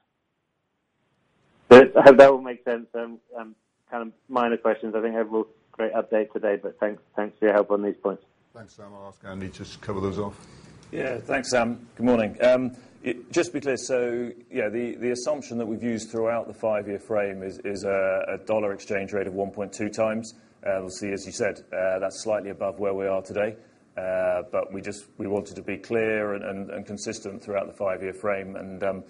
I hope that all makes sense. Kind of minor questions. I think overall great update today, but thanks for your help on these points. Thanks Sam. I'll ask Andy just to cover those off. Yeah. Thanks, Sam. Good morning. Just be clear. Yeah, the assumption that we've used throughout the five-year frame is a dollar exchange rate of 1.2 times. We'll see, as you said, that's slightly above where we are today. We just wanted to be clear and consistent throughout the five-year frame. That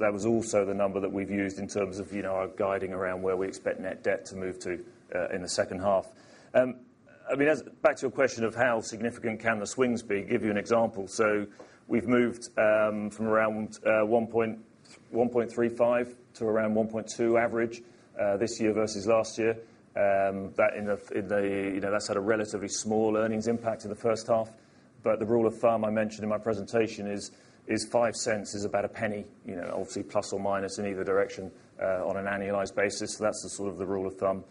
was also the number that we've used in terms of, you know, our guiding around where we expect net debt to move to in the second half. I mean, back to your question of how significant can the swings be, give you an example. We've moved from around 1.35 to around 1.2 average this year versus last year. That, you know, that's had a relatively small earnings impact in the first half. The rule of thumb I mentioned in my presentation is five cents is about a penny, you know, obviously plus or minus in either direction on an annualized basis. That's the sort of rule of thumb.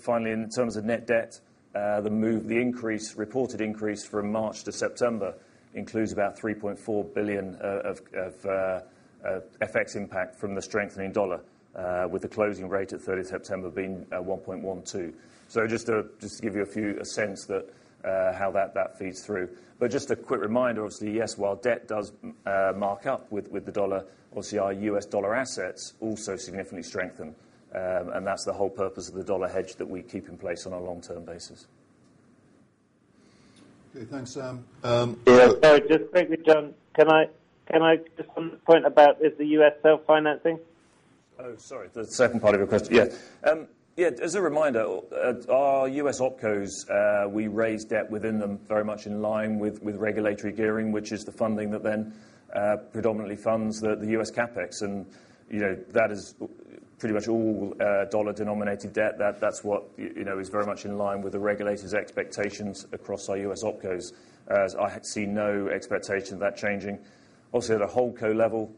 Finally, in terms of net debt, the reported increase from March to September includes about 3.4 billion of FX impact from the strengthening dollar with the closing rate at 30 September being 1.12. Just to give you a sense of how that feeds through. Just a quick reminder, obviously yes, while debt does mark up with the dollar, obviously our U.S. dollar assets also significantly strengthen. That's the whole purpose of the dollar hedge that we keep in place on a long-term basis. Okay, thanks, Sam. Sorry, just quickly, John. Can I just on the point about is the U.S. self-financing? Oh, sorry. The second part of your question. Yeah, as a reminder, at our U.S. OpCos, we raise debt within them very much in line with regulatory gearing, which is the funding that then predominantly funds the U.S. CapEx. You know, that is pretty much all dollar-denominated debt. That's what you know is very much in line with the regulators' expectations across our U.S. OpCos. I see no expectation of that changing. Also at a Holdco level,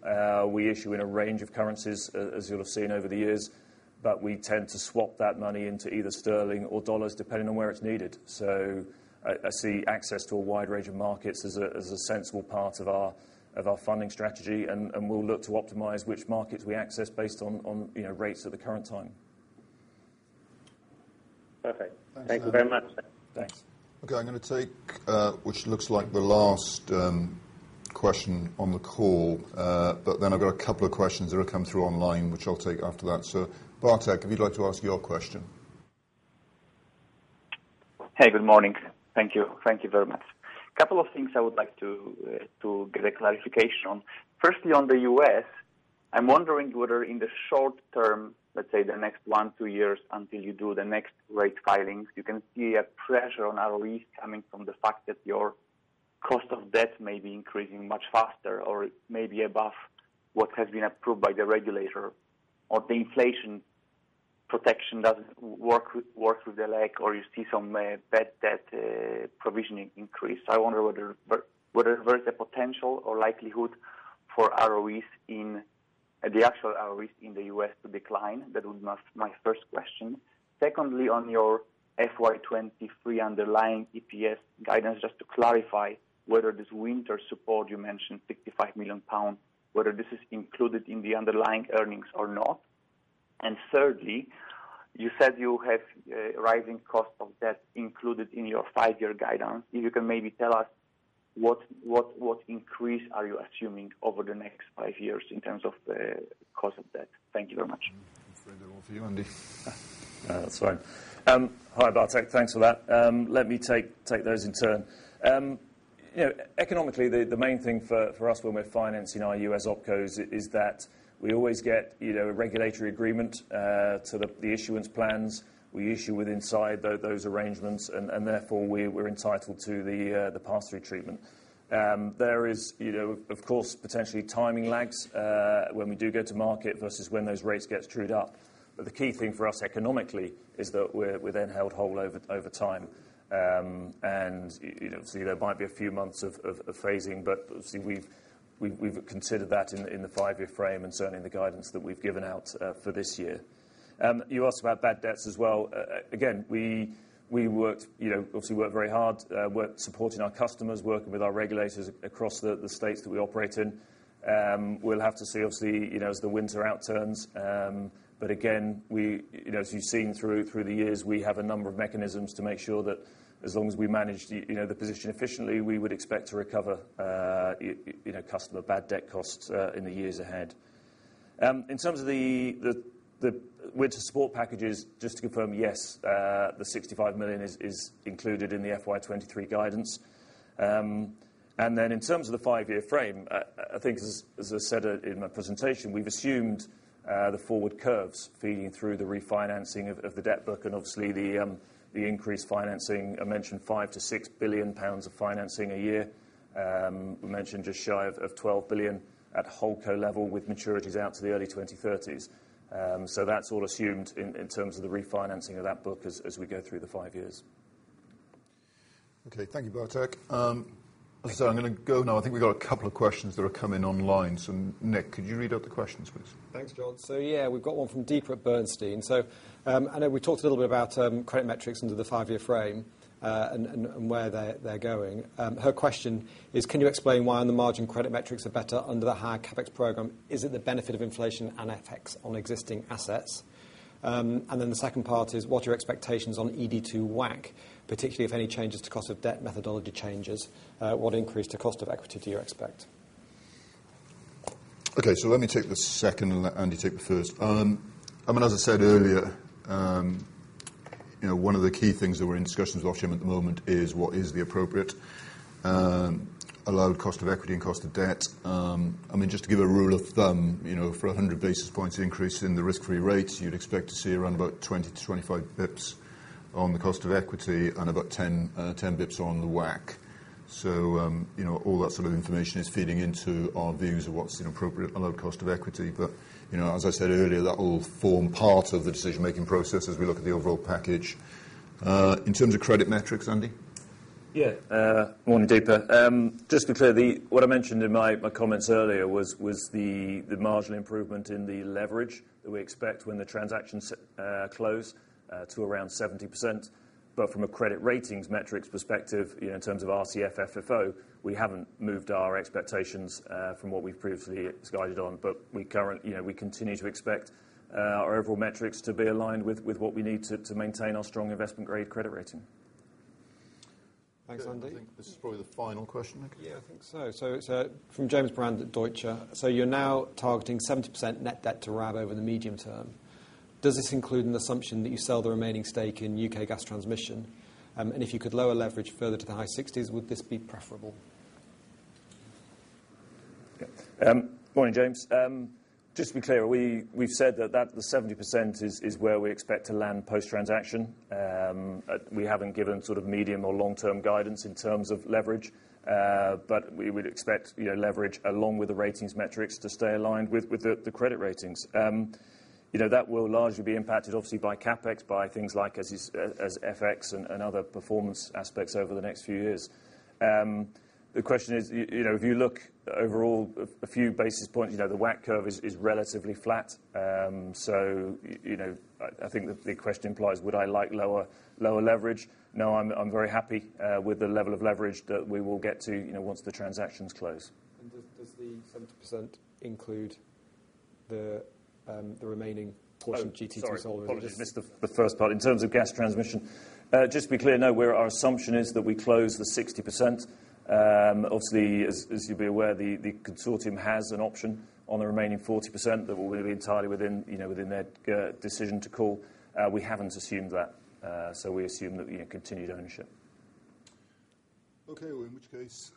we issue in a range of currencies, as you'll have seen over the years, but we tend to swap that money into either sterling or dollars, depending on where it's needed. I see access to a wide range of markets as a sensible part of our funding strategy, and we'll look to optimize which markets we access based on, you know, rates at the current time. Perfect. Thanks, Sam. Thank you very much. Thanks. Okay, I'm gonna take which looks like the last question on the call. Then I've got a couple of questions that have come through online, which I'll take after that. Bartek, if you'd like to ask your question. Hey, good morning. Thank you. Thank you very much. A couple of things I would like to get a clarification on. First, on the U.S., I'm wondering whether in the short term, let's say the next one to two years until you do the next rate filings, you can see a pressure on our ROEs coming from the fact that your cost of debt may be increasing much faster or may be above what has been approved by the regulator or the inflation protection doesn't work with the lag or you see some bad debt provisioning increase. I wonder whether there is a potential or likelihood for ROEs, the actual ROEs in the US to decline. That would be my first question. Secondly, on your FY23 underlying EPS guidance, just to clarify whether this winter support you mentioned, £65 million, whether this is included in the underlying earnings or not. Thirdly, you said you have rising cost of debt included in your five-year guidance. If you can maybe tell us what increase are you assuming over the next five years in terms of the cost of debt? Thank you very much. That's all for you, Andy. That's fine. Hi, Bartek. Thanks for that. Let me take those in turn. You know, economically, the main thing for us when we're financing our US OpCos is that we always get you know, regulatory agreement to the issuance plans. We issue within those arrangements, and therefore, we're entitled to the pass-through treatment. There is you know, of course, potentially timing lags when we do go to market versus when those rates get trued up. The key thing for us economically is that we're then held whole over time. You know, obviously there might be a few months of phasing, but obviously we've considered that in the five-year frame and certainly in the guidance that we've given out for this year. You asked about bad debts as well. Again, we worked, you know, obviously worked very hard supporting our customers, working with our regulators across the states that we operate in. We'll have to see, obviously you know, as the winter outturns. Again, we, you know, as you've seen through the years, we have a number of mechanisms to make sure that as long as we manage the, you know, the position efficiently, we would expect to recover you know customer bad debt costs in the years ahead. In terms of the winter support packages, just to confirm, yes, the £65 million is included in the FY23 guidance. In terms of the five-year frame, I think as I said in my presentation, we've assumed the forward curves feeding through the refinancing of the debt book and obviously the increased financing. I mentioned 5-6 billion pounds of financing a year. We mentioned just shy of 12 billion at Holdco level with maturities out to the early 2030s. That's all assumed in terms of the refinancing of that book as we go through the five years. Okay. Thank you, Bartek. I'm gonna go now. I think we got a couple of questions that have come in online. Nick, could you read out the questions, please? Thanks, John. Yeah, we've got one from Deepa at Bernstein. I know we talked a little bit about credit metrics under the five-year frame, and where they're going. Her question is, can you explain why on the margin credit metrics are better under the higher CapEx program? Is it the benefit of inflation and FX on existing assets? And then the second part is what are your expectations on ED2 WACC, particularly if any changes to cost of debt methodology, what increase to cost of equity do you expect? Okay. Let me take the second and let Andy take the first. I mean, as I said earlier, you know, one of the key things that we're in discussions with Ofgem at the moment is what is the appropriate allowed cost of equity and cost of debt. I mean, just to give a rule of thumb, you know, for a 100 basis points increase in the risk-free rate, you'd expect to see around about 20 to 25 basis points on the cost of equity and about 10 basis points on the WACC. You know, all that sort of information is feeding into our views of what's an appropriate allowed cost of equity. You know, as I said earlier, that will form part of the decision-making process as we look at the overall package. In terms of credit metrics, Andy? Yeah. Morning, Deepa. Just to be clear, what I mentioned in my comments earlier was the marginal improvement in the leverage that we expect when the transactions close to around 70%. From a credit ratings metrics perspective, you know, in terms of RCF, FFO, we haven't moved our expectations from what we've previously guided on. We currently, you know, continue to expect our overall metrics to be aligned with what we need to maintain our strong investment-grade credit rating. Thanks, Andy. This is probably the final question, Nick. Yeah, I think so. It's from James Brand at Deutsche Bank. You're now targeting 70% net debt to RAB over the medium term. Does this include an assumption that you sell the remaining stake in UK Gas Transmission? And if you could lower leverage further to the high 60s, would this be preferable? Morning, James. Just to be clear, we've said that the 70% is where we expect to land post-transaction. We haven't given sort of medium or long-term guidance in terms of leverage, but we would expect, you know, leverage along with the ratings metrics to stay aligned with the credit ratings. You know, that will largely be impacted obviously by CapEx, by things like FX and other performance aspects over the next few years. The question is, you know, if you look overall a few basis points, you know, the WACC curve is relatively flat. You know, I think the question implies, would I like lower leverage? No, I'm very happy with the level of leverage that we will get to, you know, once the transactions close. Does the 70% include the remaining portion of GT? Sorry. Apologies. Missed the first part. In terms of Gas Transmission, just to be clear, no. Our assumption is that we close the 60%. Obviously, as you'd be aware, the consortium has an option on the remaining 40% that will be entirely within, you know, within their decision to call. So we assume that, you know, continued ownership. Okay. Well, in which case,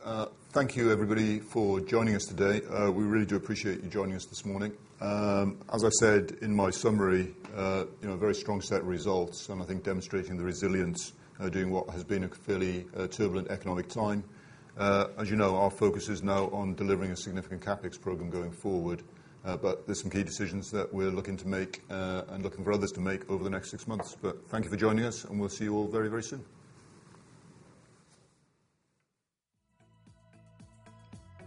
thank you, everybody, for joining us today. We really do appreciate you joining us this morning. As I said in my summary, you know, very strong set of results, and I think demonstrating the resilience during what has been a fairly turbulent economic time. As you know, our focus is now on delivering a significant CapEx program going forward. There's some key decisions that we're looking to make, and looking for others to make over the next six months. Thank you for joining us, and we'll see you all very, very soon.